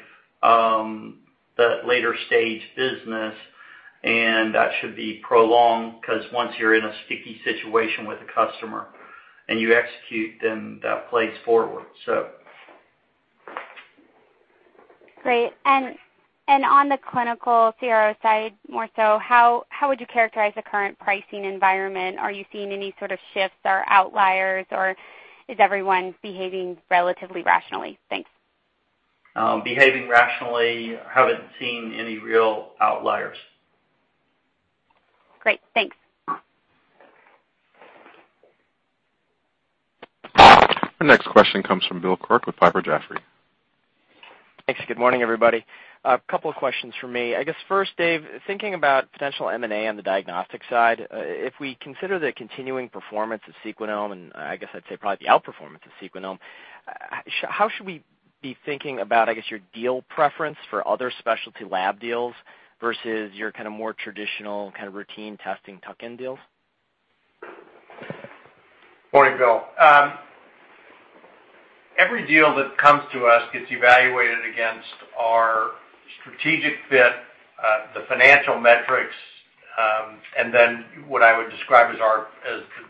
S5: that later-stage business, and that should be prolonged because once you're in a sticky situation with a customer and you execute, then that plays forward.
S13: Great. In the clinical CRO side more so, how would you characterize the current pricing environment? Are you seeing any sort of shifts or outliers, or is everyone behaving relatively rationally? Thanks.
S5: Behaving rationally. Haven't seen any real outliers.
S13: Great. Thanks.
S1: Our next question comes from Bill Cork with Fiver Jaffer.
S14: Thanks. Good morning, everybody. A couple of questions for me. I guess first, Dave, thinking about potential M&A on the diagnostic side, if we consider the continuing performance of Sequoia Genetics and I guess I'd say probably the outperformance of Sequoia Genetics, how should we be thinking about, I guess, your deal preference for other specialty lab deals versus your kind of more traditional kind of routine testing tuck-in deals?
S3: Morning, Bill. Every deal that comes to us gets evaluated against our strategic fit, the financial metrics, and then what I would describe as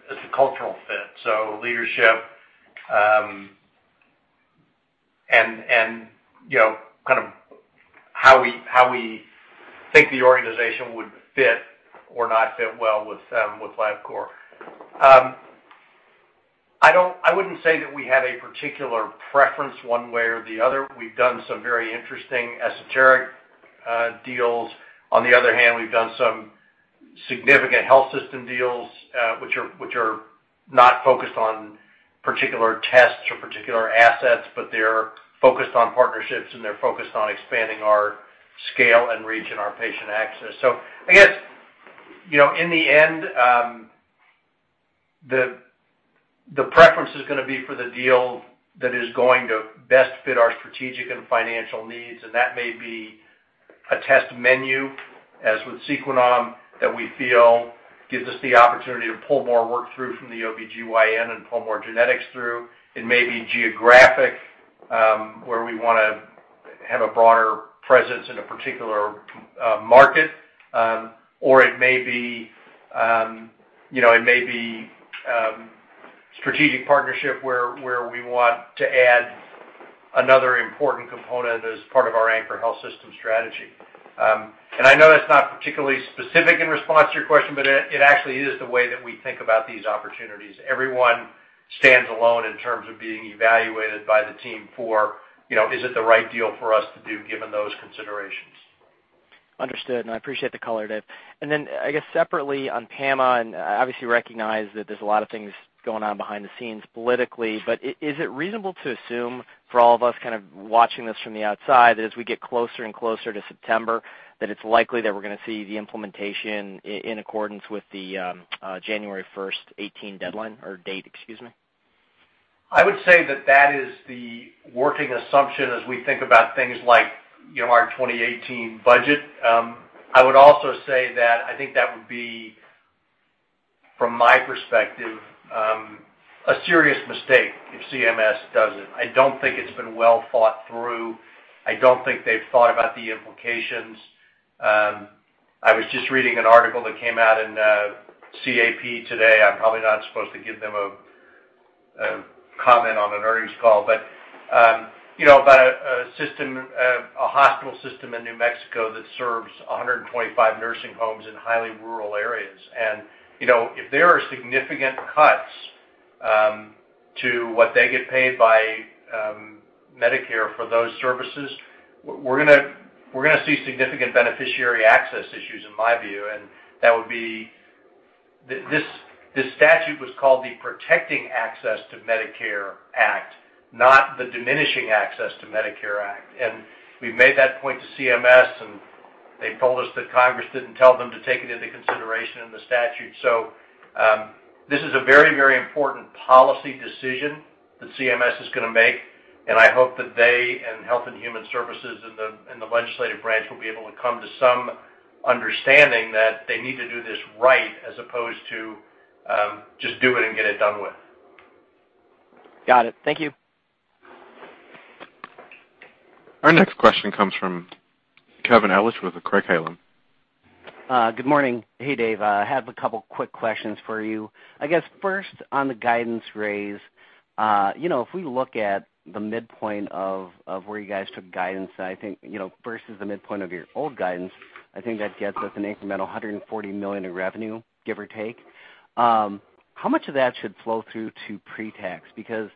S3: the cultural fit. So leadership and kind of how we think the organization would fit or not fit well with Labcorp. I wouldn't say that we had a particular preference one way or the other. We've done some very interesting esoteric deals. On the other hand, we've done some significant health system deals which are not focused on particular tests or particular assets, but they're focused on partnerships, and they're focused on expanding our scale and reach and our patient access. I guess in the end, the preference is going to be for the deal that is going to best fit our strategic and financial needs. That may be a test menu, as with Sequoia Genetics, that we feel gives us the opportunity to pull more work through from the OB-GYN and pull more genetics through. It may be geographic where we want to have a broader presence in a particular market, or it may be a strategic partnership where we want to add another important component as part of our anchor health system strategy. I know that's not particularly specific in response to your question, but it actually is the way that we think about these opportunities. Everyone stands alone in terms of being evaluated by the team for, "Is it the right deal for us to do given those considerations?"
S14: Understood. I appreciate the color, Dave. I guess separately on PAMA, and I obviously recognize that there's a lot of things going on behind the scenes politically, but is it reasonable to assume for all of us kind of watching this from the outside that as we get closer and closer to September, that it's likely that we're going to see the implementation in accordance with the January 1st, 2018 deadline or date, excuse me?
S3: I would say that that is the working assumption as we think about things like our 2018 budget. I would also say that I think that would be, from my perspective, a serious mistake if CMS does it. I do not think it has been well thought through. I do not think they have thought about the implications. I was just reading an article that came out in CAP today. I am probably not supposed to give them a comment on an earnings call, but about a hospital system in New Mexico that serves 125 nursing homes in highly rural areas. If there are significant cuts to what they get paid by Medicare for those services, we are going to see significant beneficiary access issues, in my view. That statute was called the Protecting Access to Medicare Act, not the Diminishing Access to Medicare Act. We have made that point to CMS, and they told us that Congress did not tell them to take it into consideration in the statute. This is a very, very important policy decision that CMS is going to make. I hope that they and Health and Human Services in the legislative branch will be able to come to some understanding that they need to do this right as opposed to just do it and get it done with.
S14: Got it. Thank you.
S1: Our next question comes from Kevin Ellis with Craig Heilem.
S15: Good morning. Hey, Dave. I have a couple of quick questions for you. I guess first on the guidance raise, if we look at the midpoint of where you guys took guidance, I think versus the midpoint of your old guidance, I think that gets us an incremental $140 million in revenue, give or take. How much of that should flow through to pre-tax? Because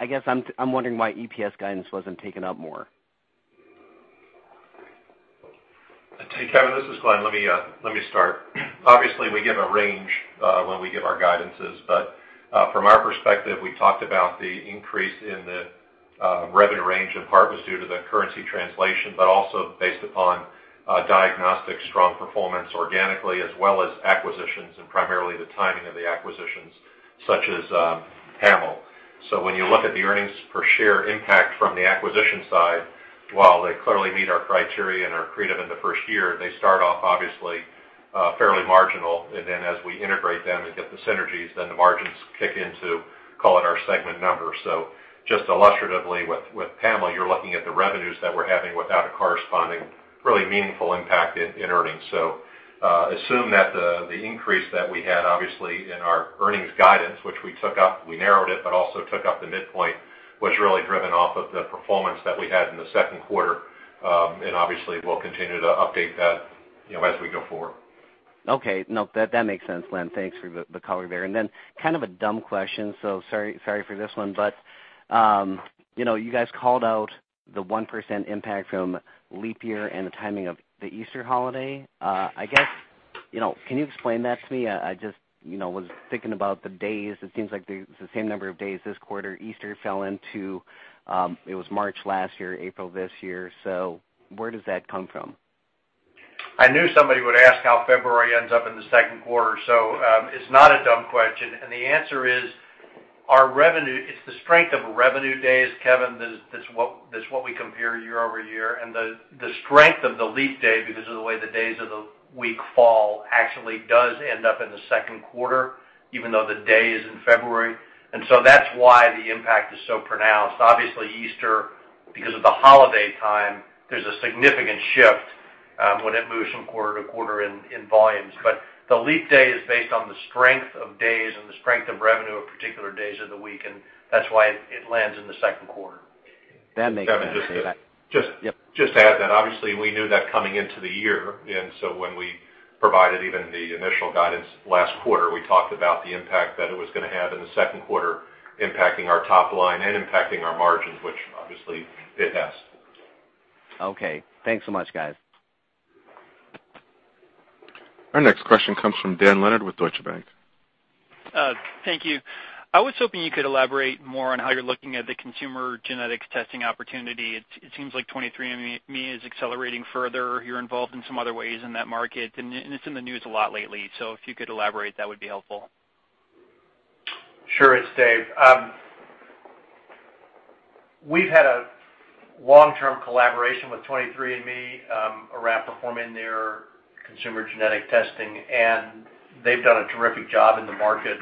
S15: I guess I'm wondering why EPS guidance was not taken up more.
S12: Hey, Kevin, this is Glenn. Let me start. Obviously, we give a range when we give our guidances. From our perspective, we talked about the increase in the revenue range in part was due to the currency translation, but also based upon diagnostics' strong performance organically as well as acquisitions and primarily the timing of the acquisitions such as PAMMO. When you look at the earnings per share impact from the acquisition side, while they clearly meet our criteria and are accretive in the first year, they start off obviously fairly marginal. As we integrate them and get the synergies, then the margins kick into, call it, our segment number. Just illustratively, with PAMA, you're looking at the revenues that we're having without a corresponding really meaningful impact in earnings.
S15: Assume that the increase that we had obviously in our earnings guidance, which we took up, we narrowed it, but also took up the midpoint, was really driven off of the performance that we had in the second quarter. Obviously, we'll continue to update that as we go forward. Okay. No, that makes sense, Glenn. Thanks for the color there. Then kind of a dumb question, so sorry for this one, but you guys called out the 1% impact from leap year and the timing of the Easter holiday. I guess can you explain that to me? I just was thinking about the days. It seems like it's the same number of days this quarter. Easter fell into, it was March last year, April this year. Where does that come from?
S5: I knew somebody would ask how February ends up in the second quarter. It is not a dumb question. The answer is our revenue, it is the strength of revenue days, Kevin, that is what we compare year over year. The strength of the leap day, because of the way the days of the week fall, actually does end up in the second quarter, even though the day is in February. That is why the impact is so pronounced. Obviously, Easter, because of the holiday time, there is a significant shift when it moves from quarter to quarter in volumes. The leap day is based on the strength of days and the strength of revenue of particular days of the week. That is why it lands in the second quarter.
S15: That makes sense. Just to add that, obviously, we knew that coming into the year.
S12: When we provided even the initial guidance last quarter, we talked about the impact that it was going to have in the second quarter impacting our top line and impacting our margins, which obviously it has.
S15: Okay. Thanks so much, guys.
S1: Our next question comes from Dan Leonard with Deutsche Bank.
S16: Thank you. I was hoping you could elaborate more on how you're looking at the consumer genetics testing opportunity. It seems like 23andMe is accelerating further. You're involved in some other ways in that market. It's in the news a lot lately. If you could elaborate, that would be helpful.
S3: Sure. It's Dave. We've had a long-term collaboration with 23andMe around performing their consumer genetic testing. They've done a terrific job in the market.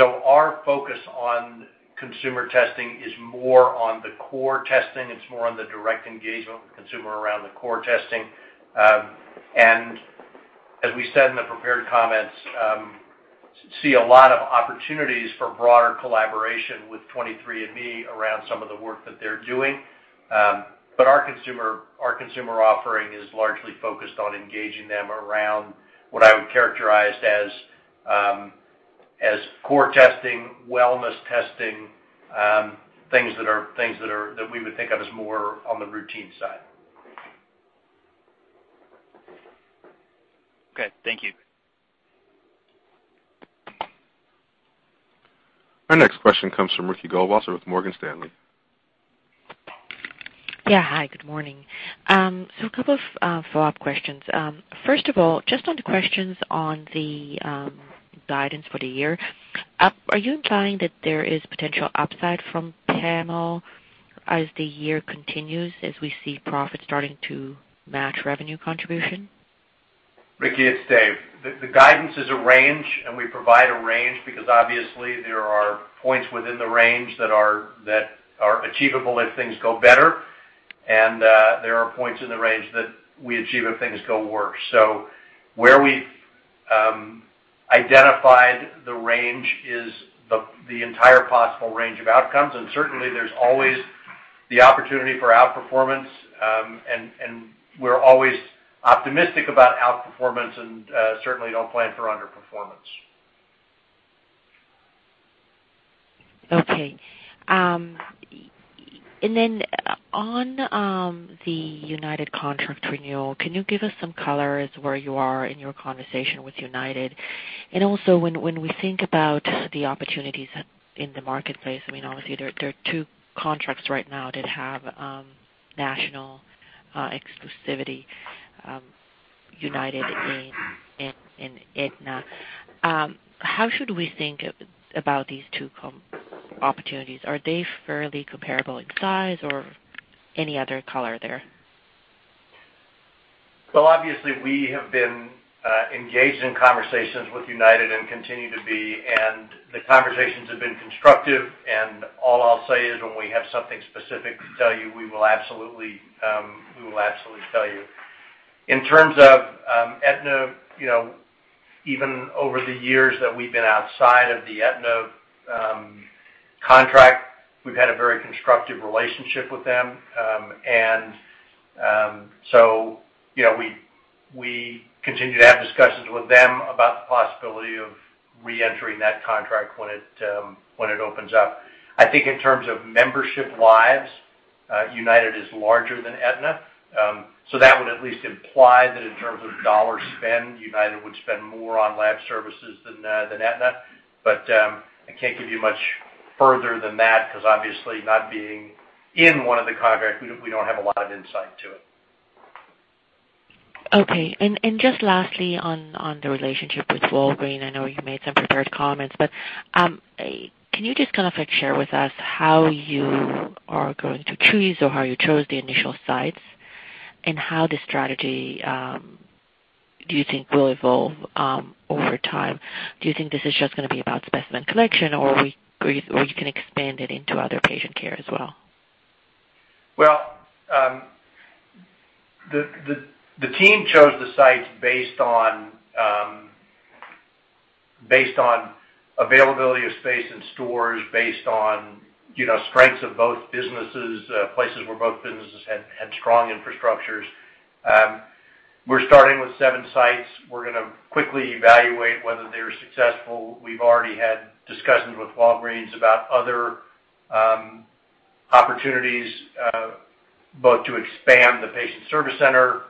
S3: Our focus on consumer testing is more on the core testing. It's more on the direct engagement with consumer around the core testing. As we said in the prepared comments, see a lot of opportunities for broader collaboration with 23andMe around some of the work that they're doing. Our consumer offering is largely focused on engaging them around what I would characterize as core testing, wellness testing, things that we would think of as more on the routine side.
S16: Good. Thank you.
S1: Our next question comes from Ricky Goldwasser with Morgan Stanley.
S17: Yeah. Hi. Good morning. A couple of follow-up questions. First of all, just on the questions on the guidance for the year, are you implying that there is potential upside from PAMA as the year continues as we see profits starting to match revenue contribution?
S3: Ricky, it's Dave. The guidance is a range, and we provide a range because obviously there are points within the range that are achievable if things go better. There are points in the range that we achieve if things go worse. Where we've identified the range is the entire possible range of outcomes. Certainly, there's always the opportunity for outperformance. We're always optimistic about outperformance and certainly don't plan for underperformance.
S17: Okay. On the United contract renewal, can you give us some colors where you are in your conversation with United? Also, when we think about the opportunities in the marketplace, I mean, obviously, there are two contracts right now that have national exclusivity, United and Aetna. How should we think about these two opportunities? Are they fairly comparable in size or any other color there?
S3: Obviously, we have been engaged in conversations with United and continue to be. The conversations have been constructive. All I'll say is when we have something specific to tell you, we will absolutely tell you. In terms of Aetna, even over the years that we've been outside of the Aetna contract, we've had a very constructive relationship with them. We continue to have discussions with them about the possibility of reentering that contract when it opens up. I think in terms of membership lives, United is larger than Aetna. That would at least imply that in terms of dollar spend, United would spend more on lab services than Aetna. I can't give you much further than that because obviously, not being in one of the contracts, we do not have a lot of insight to it.
S17: Okay. Just lastly on the relationship with Walgreen, I know you made some prepared comments, but can you just kind of share with us how you are going to choose or how you chose the initial sites and how the strategy do you think will evolve over time? Do you think this is just going to be about specimen collection, or you can expand it into other patient care as well?
S3: The team chose the sites based on availability of space in stores, based on strengths of both businesses, places where both businesses had strong infrastructures. We're starting with seven sites. We're going to quickly evaluate whether they're successful. We've already had discussions with Walgreens about other opportunities, both to expand the patient service center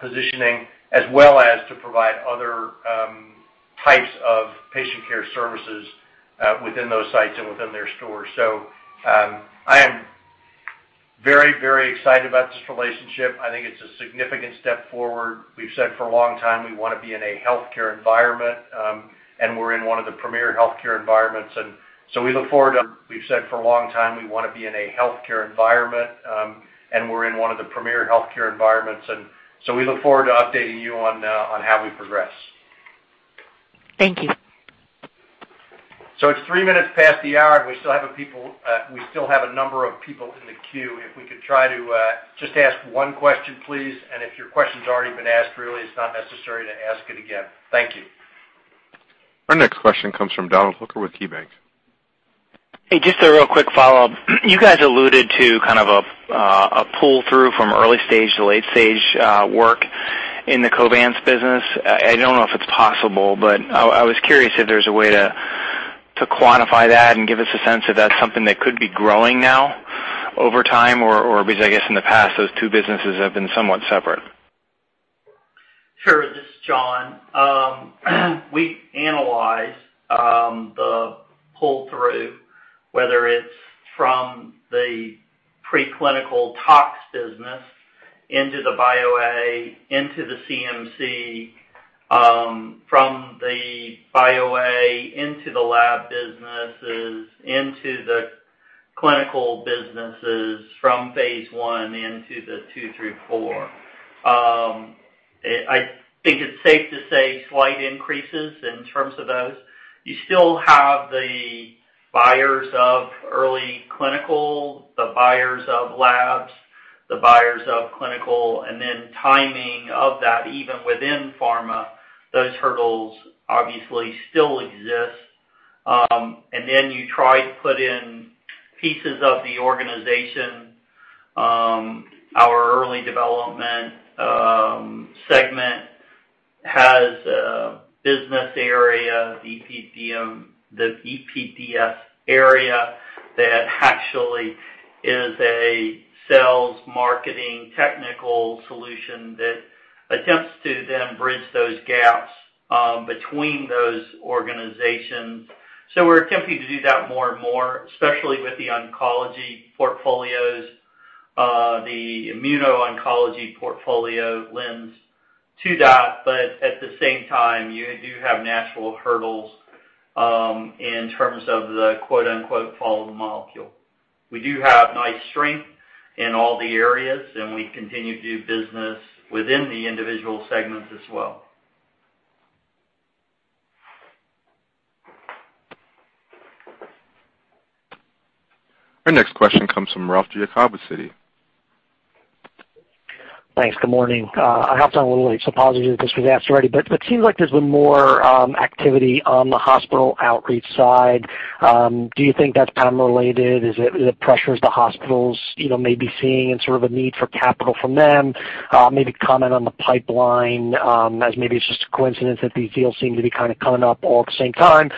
S3: positioning as well as to provide other types of patient care services within those sites and within their stores. I am very, very excited about this relationship. I think it's a significant step forward. We've said for a long time we want to be in a healthcare environment, and we're in one of the premier healthcare environments. We look forward to updating you on how we progress.
S17: Thank you.
S3: It's three minutes past the hour, and we still have a number of people in the queue. If we could try to just ask one question, please. If your question's already been asked, really, it's not necessary to ask it again. Thank you.
S1: Our next question comes from Donald Hooker with KeyBanc. Hey, just a real quick follow-up.
S18: You guys alluded to kind of a pull-through from early stage to late stage work in the Covance business. I don't know if it's possible, but I was curious if there's a way to quantify that and give us a sense if that's something that could be growing now over time or because I guess in the past, those two businesses have been somewhat separate.
S5: Sure. This is John. We analyze the pull-through, whether it's from the preclinical tox business into the BioA, into the CMC, from the BioA into the lab businesses, into the clinical businesses from phase one into the two through four. I think it's safe to say slight increases in terms of those. You still have the buyers of early clinical, the buyers of labs, the buyers of clinical, and then timing of that, even within pharma, those hurdles obviously still exist. You try to put in pieces of the organization. Our early development segment has a business area, the EPDS area, that actually is a sales marketing technical solution that attempts to then bridge those gaps between those organizations. We are attempting to do that more and more, especially with the oncology portfolios. The immuno-oncology portfolio lends to that. At the same time, you do have natural hurdles in terms of the quote-unquote follow-the-molecule. We do have nice strength in all the areas, and we continue to do business within the individual segments as well.
S1: Our next question comes from Ralph Giacomo City.
S19: Thanks. Good morning. I hopped on a little late, so apologies if this was asked already. It seems like there has been more activity on the hospital outreach side. Do you think that is kind of related? Is it the pressures the hospitals may be seeing and sort of a need for capital from them? Maybe comment on the pipeline as maybe it's just a coincidence that these deals seem to be kind of coming up all at the same time.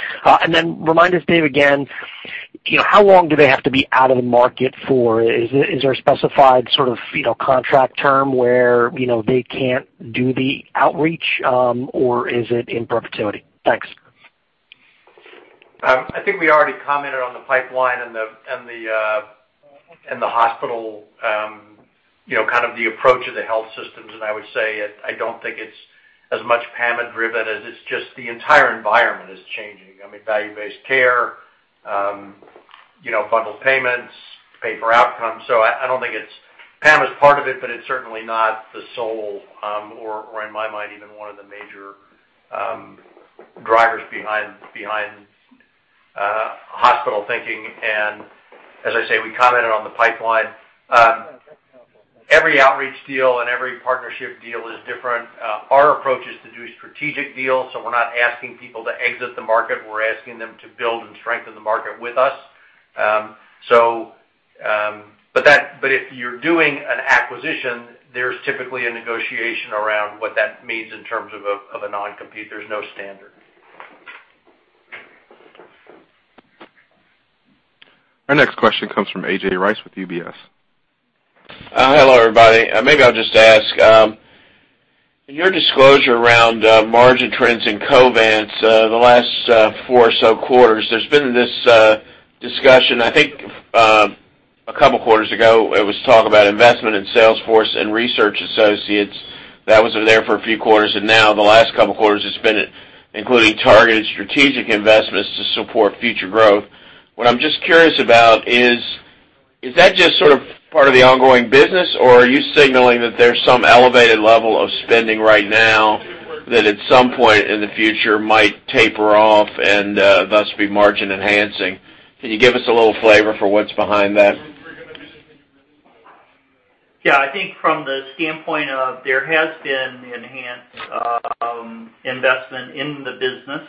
S19: Then remind us, Dave, again, how long do they have to be out of the market for? Is there a specified sort of contract term where they can't do the outreach, or is it in perpetuity? Thanks.
S3: I think we already commented on the pipeline and the hospital kind of the approach of the health systems. I would say I don't think it's as much PAMA-driven as it's just the entire environment is changing. I mean, value-based care, bundled payments, pay-for-outcome. I don't think it's PAMA's part of it, but it's certainly not the sole or, in my mind, even one of the major drivers behind hospital thinking. As I say, we commented on the pipeline. Every outreach deal and every partnership deal is different. Our approach is to do strategic deals. We're not asking people to exit the market. We're asking them to build and strengthen the market with us. If you're doing an acquisition, there's typically a negotiation around what that means in terms of a non-compete. There's no standard.
S1: Our next question comes from AJ Rice with UBS.
S20: Hello, everybody. Maybe I'll just ask. In your disclosure around margin trends in Covance the last four or so quarters, there's been this discussion. I think a couple of quarters ago, it was talk about investment in Salesforce and Research Associates. That was there for a few quarters. Now, the last couple of quarters, it has been including targeted strategic investments to support future growth. What I am just curious about is, is that just sort of part of the ongoing business, or are you signaling that there is some elevated level of spending right now that at some point in the future might taper off and thus be margin-enhancing? Can you give us a little flavor for what is behind that?
S5: Yeah. I think from the standpoint of there has been enhanced investment in the business.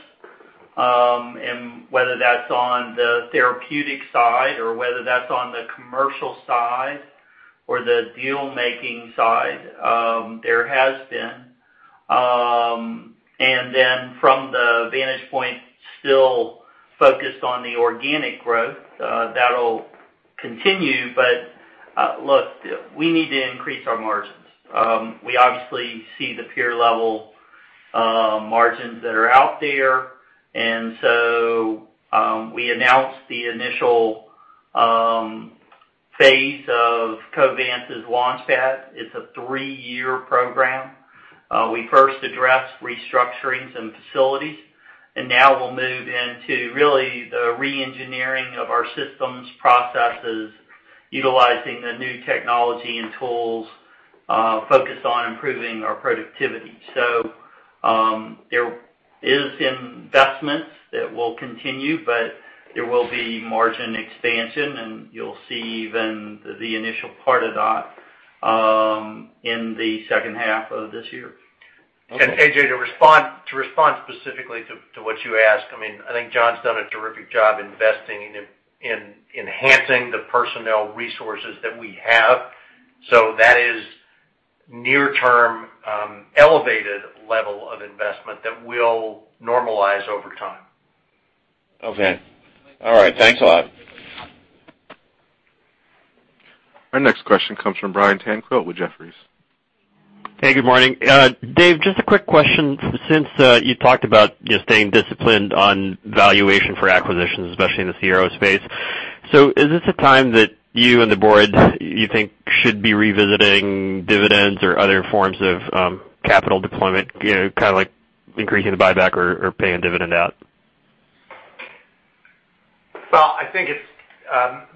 S5: Whether that is on the therapeutic side or whether that is on the commercial side or the deal-making side, there has been. From the vantage point, still focused on the organic growth, that will continue. Look, we need to increase our margins. We obviously see the peer-level margins that are out there. We announced the initial phase of Covance's Launchpad. It's a three-year program. We first addressed restructurings and facilities. Now we'll move into really the re-engineering of our systems, processes, utilizing the new technology and tools focused on improving our productivity. There is investment that will continue, but there will be margin expansion. You'll see even the initial part of that in the second half of this year.
S3: AJ, to respond specifically to what you asked, I think John's done a terrific job investing in enhancing the personnel resources that we have. That is near-term elevated level of investment that will normalize over time.
S20: Okay. All right. Thanks a lot.
S1: Our next question comes from Brian Tanquilut with Jefferies.
S21: Hey, good morning. Dave, just a quick question since you talked about staying disciplined on valuation for acquisitions, especially in the CRO space. Is this a time that you and the board, you think, should be revisiting dividends or other forms of capital deployment, kind of like increasing the buyback or paying dividend out?
S3: I think it's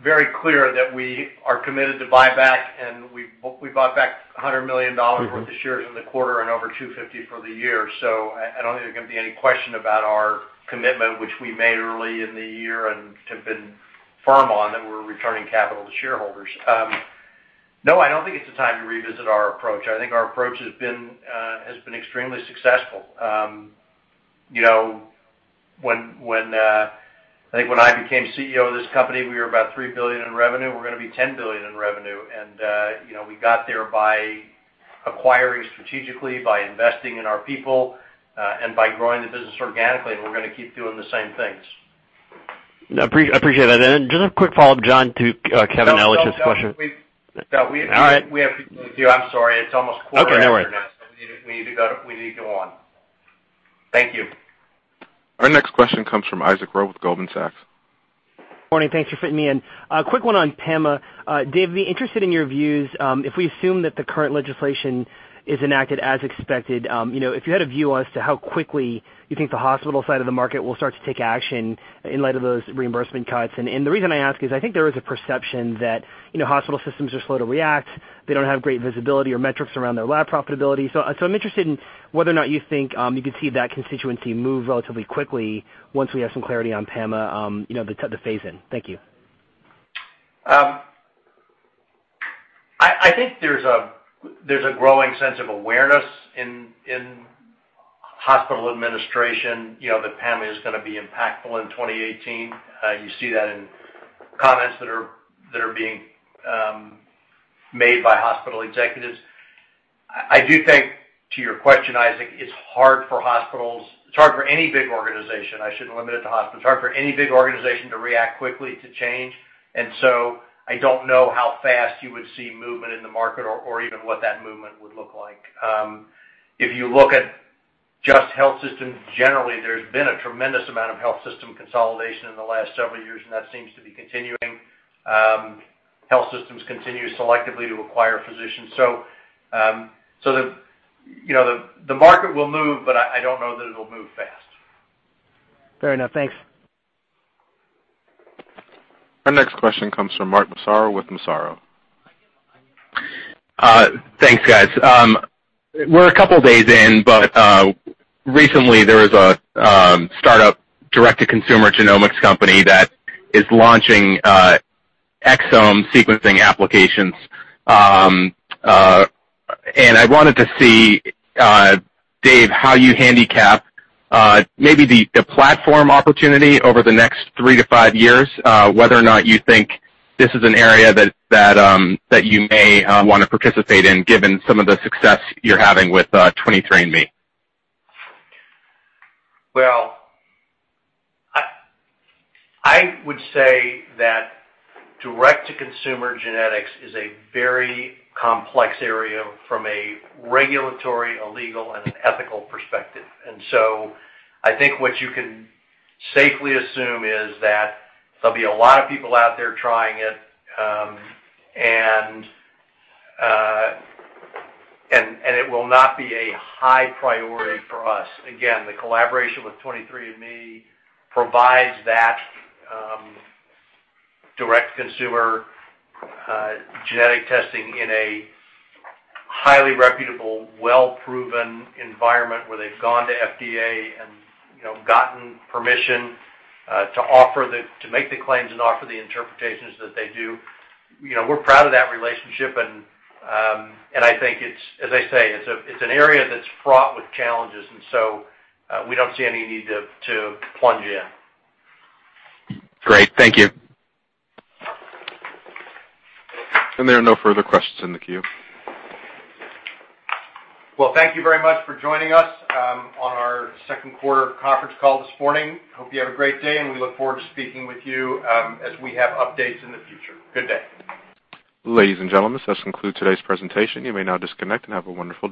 S3: very clear that we are committed to buyback. And we bought back $100 million worth of shares in the quarter and over $250 million for the year. I don't think there's going to be any question about our commitment, which we made early in the year and have been firm on that we're returning capital to shareholders. No, I don't think it's a time to revisit our approach. I think our approach has been extremely successful. I think when I became CEO of this company, we were about $3 billion in revenue. We're going to be $10 billion in revenue. We got there by acquiring strategically, by investing in our people, and by growing the business organically. We are going to keep doing the same things.
S21: I appreciate that. Just a quick follow-up, John, to Kevin Ellis's question. All right.
S3: We have to continue. I'm sorry. It's almost quarter after now.
S21: Okay. No worries.
S3: We need to go on.
S21: Thank you.
S1: Our next question comes from Isaac Rowe with Goldman Sachs.
S22: Morning. Thanks for fitting me in. Quick one on PAMA. Dave, I'd be interested in your views if we assume that the current legislation is enacted as expected, if you had a view as to how quickly you think the hospital side of the market will start to take action in light of those reimbursement cuts. The reason I ask is I think there is a perception that hospital systems are slow to react. They do not have great visibility or metrics around their lab profitability. I am interested in whether or not you think you could see that constituency move relatively quickly once we have some clarity on PAMA, the phase-in. Thank you.
S3: I think there is a growing sense of awareness in hospital administration that PAMA is going to be impactful in 2018. You see that in comments that are being made by hospital executives. I do think, to your question, Isaac, it is hard for hospitals—it is hard for any big organization. I should not limit it to hospitals. It is hard for any big organization to react quickly to change. I do not know how fast you would see movement in the market or even what that movement would look like. If you look at just health systems generally, there has been a tremendous amount of health system consolidation in the last several years, and that seems to be continuing. Health systems continue selectively to acquire physicians. The market will move, but I do not know that it will move fast.
S22: Fair enough. Thanks.
S1: Our next question comes from Mark Massaro with Massaro.
S23: Thanks, guys. We are a couple of days in, but recently, there was a startup, direct-to-consumer genomics company that is launching exome sequencing applications. I wanted to see, Dave, how you handicap maybe the platform opportunity over the next three to five years, whether or not you think this is an area that you may want to participate in given some of the success you are having with 23andMe.
S3: I would say that direct-to-consumer genetics is a very complex area from a regulatory, a legal, and an ethical perspective. I think what you can safely assume is that there'll be a lot of people out there trying it, and it will not be a high priority for us. Again, the collaboration with 23andMe provides that direct-to-consumer genetic testing in a highly reputable, well-proven environment where they've gone to FDA and gotten permission to make the claims and offer the interpretations that they do. We're proud of that relationship. I think, as I say, it's an area that's fraught with challenges. We don't see any need to plunge in.
S23: Great. Thank you.
S1: There are no further questions in the queue.
S3: Thank you very much for joining us on our second quarter conference call this morning. Hope you have a great day, and we look forward to speaking with you as we have updates in the future. Good day.
S1: Ladies and gentlemen, this does conclude today's presentation. You may now disconnect and have a wonderful day.